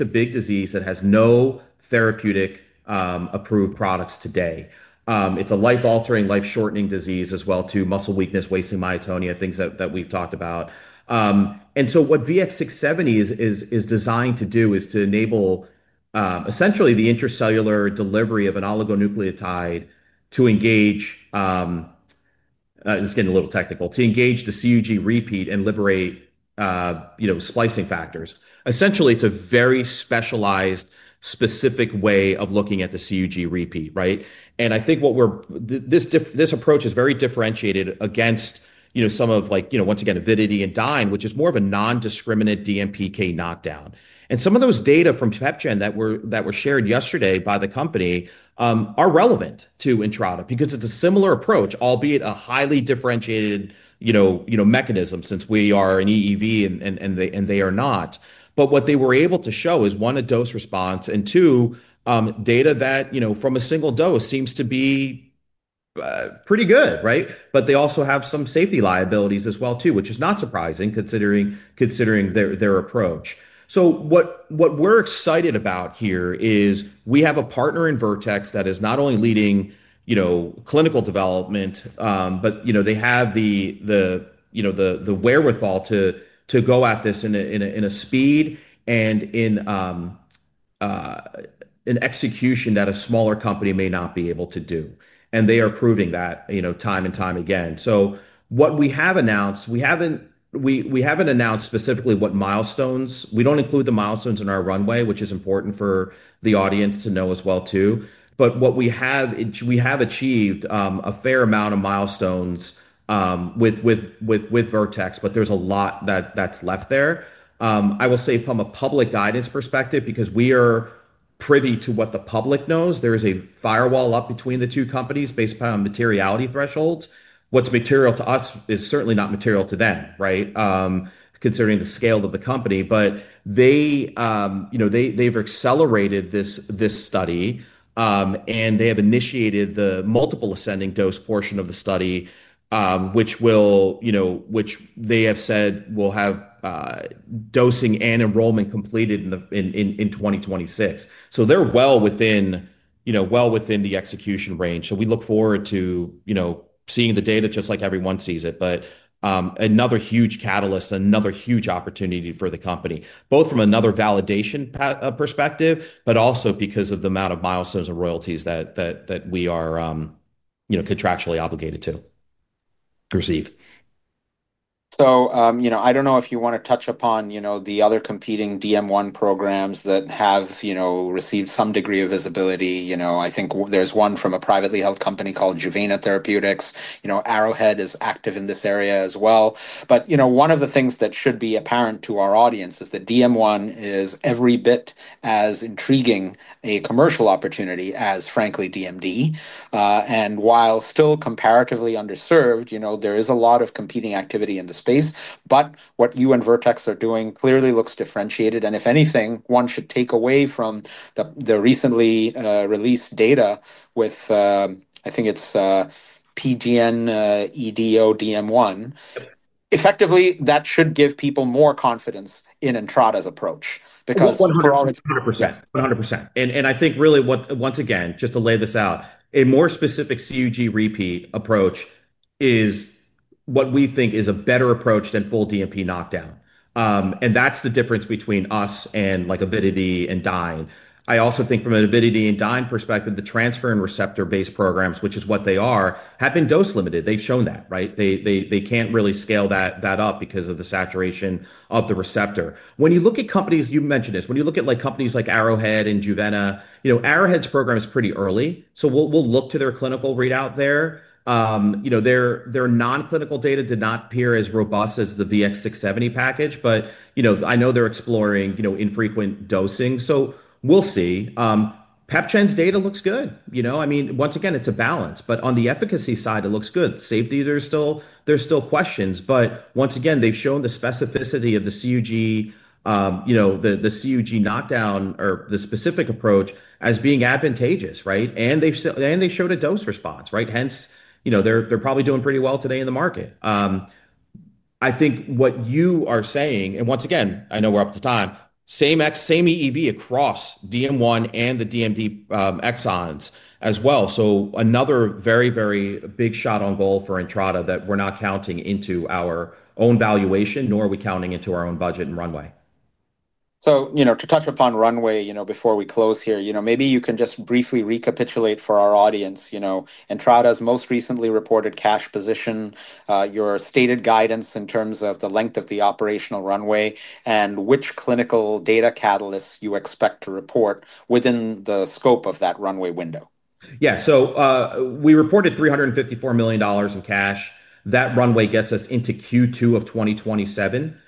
B: a big disease that has no therapeutic approved products today. It's a life-altering, life-shortening disease as well, too. Muscle weakness, wasting, myotonia, things that we've talked about. What VX-670 is designed to do is to enable, essentially, the intracellular delivery of an oligonucleotide to engage, this is getting a little technical, to engage the CUG repeat and liberate splicing factors. Essentially, it's a very specialized, specific way of looking at the CUG repeat, right? I think this approach is very differentiated against, you know, some of like, once again, Avidity and Dyne, which is more of a non-discriminate DMPK knockdown. Some of those data from PepGen that were shared yesterday by the company are relevant to Entrada because it's a similar approach, albeit a highly differentiated mechanism since we are an EEV and they are not. What they were able to show is, one, a dose response, and two, data that from a single dose seems to be pretty good, right? They also have some safety liabilities as well, too, which is not surprising considering their approach. What we're excited about here is we have a partner in Vertex that is not only leading clinical development, but they have the wherewithal to go at this in a speed and in an execution that a smaller company may not be able to do. They are proving that, you know, time and time again. What we have announced, we haven't announced specifically what milestones. We don't include the milestones in our runway, which is important for the audience to know as well, too. What we have, we have achieved a fair amount of milestones with Vertex, but there's a lot that's left there. I will say from a public guidance perspective, because we are privy to what the public knows, there is a firewall up between the two companies based upon materiality thresholds. What's material to us is certainly not material to them, right? Considering the scale of the company, they, you know, they've accelerated this study, and they have initiated the multiple ascending dose portion of the study, which will, you know, which they have said will have dosing and enrollment completed in 2026. They are well within, you know, well within the execution range. We look forward to, you know, seeing the data just like everyone sees it. Another huge catalyst, another huge opportunity for the company, both from another validation perspective, but also because of the amount of milestones and royalties that we are, you know, contractually obligated to receive.
A: I don't know if you want to touch upon the other competing DM1 programs that have received some degree of visibility. I think there's one from a privately held company called Juvena Therapeutics. Arrowhead is active in this area as well. One of the things that should be apparent to our audience is that DM1 is every bit as intriguing a commercial opportunity as, frankly, DMD. While still comparatively underserved, there is a lot of competing activity in the space, but what you and Vertex are doing clearly looks differentiated. If anything, one should take away from the recently released data with, I think is PGN EDO DM1. Effectively, that should give people more confidence in Entrada' approach because for all it's worth.
B: 100%, 100%. I think really what, once again, just to lay this out, a more specific CUG repeat approach is what we think is a better approach than full DMP knockdown. That's the difference between us and like Avidity and Dyne. I also think from an Avidity and Dyne perspective, the transferrin receptor-based programs, which is what they are, have been dose-limited. They've shown that, right? They can't really scale that up because of the saturation of the receptor. When you look at companies, you mentioned this, when you look at companies like Arrowhead and Juvena, Arrowhead's program is pretty early. We'll look to their clinical readout there. Their non-clinical data did not appear as robust as the VX-670 package, but I know they're exploring infrequent dosing. We'll see. PepGen's data looks good. Once again, it's a balance, but on the efficacy side, it looks good. Safety, there's still questions, but once again, they've shown the specificity of the CUG, the CUG knockdown or the specific approach as being advantageous, right? They showed a dose response, right? Hence, they're probably doing pretty well today in the market. I think what you are saying, and once again, I know we're up to time, same EEV across DM1 and the DMD exons as well. Another very, very big shot on goal for Entrada that we're not counting into our own valuation, nor are we counting into our own budget and runway.
A: To touch upon runway, before we close here, maybe you can just briefly recapitulate for our audience Entrada's most recently reported cash position, your stated guidance in terms of the length of the operational runway, and which clinical data catalysts you expect to report within the scope of that runway window.
B: Yeah, we reported $354 million in cash. That runway gets us into Q2 of 2027,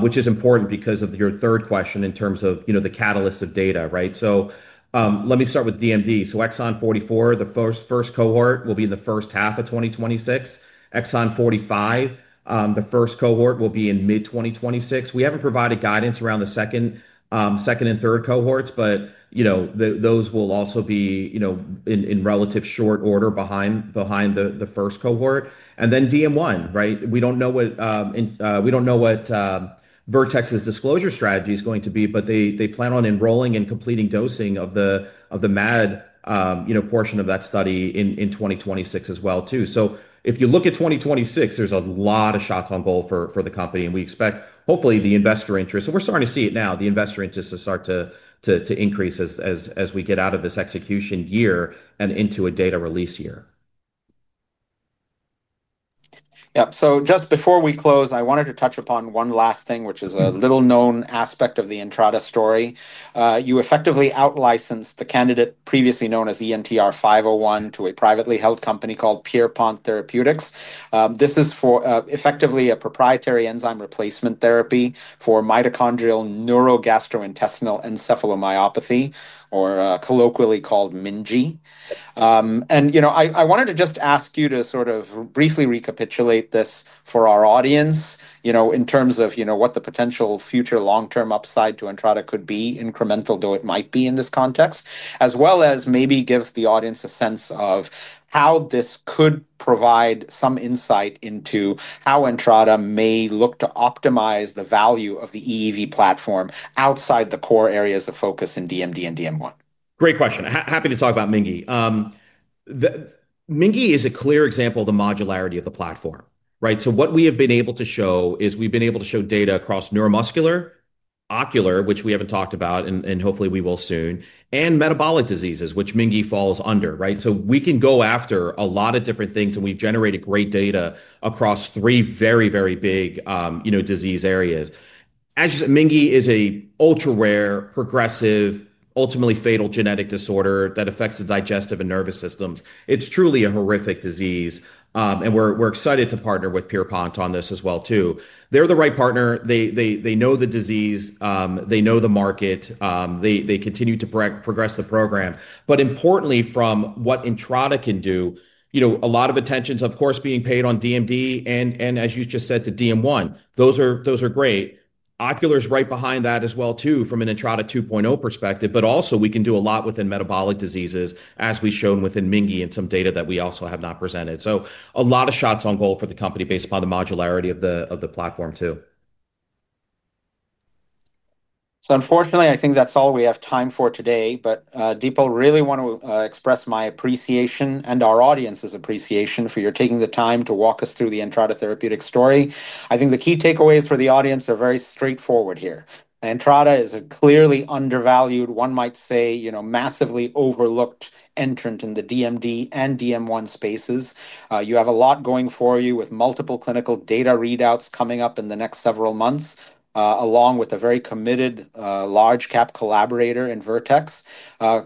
B: which is important because of your third question in terms of, you know, the catalyst of data, right? Let me start with DMD. Exon 44, the first cohort, will be in the first half of 2026. Exon 45, the first cohort, will be in mid-2026. We haven't provided guidance around the second and third cohorts, but those will also be in relative short order behind the first cohort. For DM1, we don't know what Vertex's disclosure strategy is going to be, but they plan on enrolling and completing dosing of the MAD portion of that study in 2026 as well. If you look at 2026, there's a lot of shots on goal for the company, and we expect hopefully the investor interest, and we're starting to see it now, the investor interest to start to increase as we get out of this execution year and into a data release year.
A: Yeah, just before we close, I wanted to touch upon one last thing, which is a little known aspect of the Entrada story. You effectively out-licensed the candidate previously known as ENTR-501 to a privately held company called Pierrepont Therapeutics. This is effectively a proprietary enzyme replacement therapy for mitochondrial neurogastrointestinal encephalomyopathy, or colloquially called MNGIE. I wanted to just ask you to briefly recapitulate this for our audience in terms of what the potential future long-term upside to Entrada could be, incremental though it might be in this context, as well as maybe give the audience a sense of how this could provide some insight into how Entrada may look to optimize the value of the EEV platform outside the core areas of focus in DMD and DM1.
B: Great question. Happy to talk about MNGIE. MNGIE is a clear example of the modularity of the platform, right? What we have been able to show is we've been able to show data across neuromuscular, ocular, which we haven't talked about, and hopefully we will soon, and metabolic diseases, which MNGIE falls under, right? We can go after a lot of different things, and we've generated great data across three very, very big, you know, disease areas. As you said, MNGIE is an ultra-rare, progressive, ultimately fatal genetic disorder that affects the digestive and nervous systems. It's truly a horrific disease, and we're excited to partner with Pierrepont on this as well, too. They're the right partner. They know the disease. They know the market. They continue to progress the program. Importantly, from what Entrada can do, a lot of attention is, of course, being paid on DMD and, as you just said, to DM1. Those are great. Ocular is right behind that as well, too, from an Entrada 2.0 perspective, but also we can do a lot within metabolic diseases, as we've shown within MNGIE and some data that we also have not presented. A lot of shots on goal for the company based upon the modularity of the platform, too.
A: Unfortunately, I think that's all we have time for today, but Dipal, really want to express my appreciation and our audience's appreciation for your taking the time to walk us through the Entrada Therapeutics story. I think the key takeaways for the audience are very straightforward here. Entrada is a clearly undervalued, one might say, massively overlooked entrant in the DMD and DM1 spaces. You have a lot going for you with multiple clinical data readouts coming up in the next several months, along with a very committed large-cap collaborator in Vertex.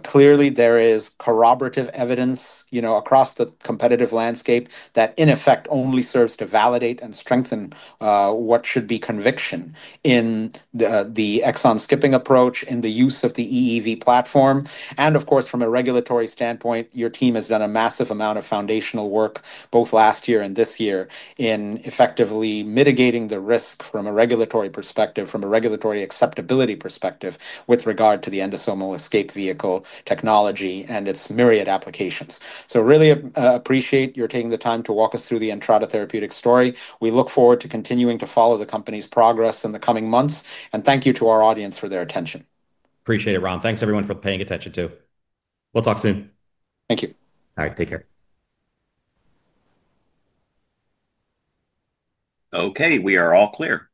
A: Clearly, there is corroborative evidence across the competitive landscape that, in effect, only serves to validate and strengthen what should be conviction in the exon-skipping approach, in the use of the EEV platform. Of course, from a regulatory standpoint, your team has done a massive amount of foundational work, both last year and this year, in effectively mitigating the risk from a regulatory perspective, from a regulatory acceptability perspective, with regard to the Endosomal Escape Vehicle technology and its myriad applications. Really appreciate your taking the time to walk us through the Entrada Therapeutics story. We look forward to continuing to follow the company's progress in the coming months. Thank you to our audience for their attention.
B: Appreciate it, Ram. Thanks everyone for paying attention too. We'll talk soon.
A: Thank you.
B: All right, take care.
C: Okay, we are all clear.
A: Thanks.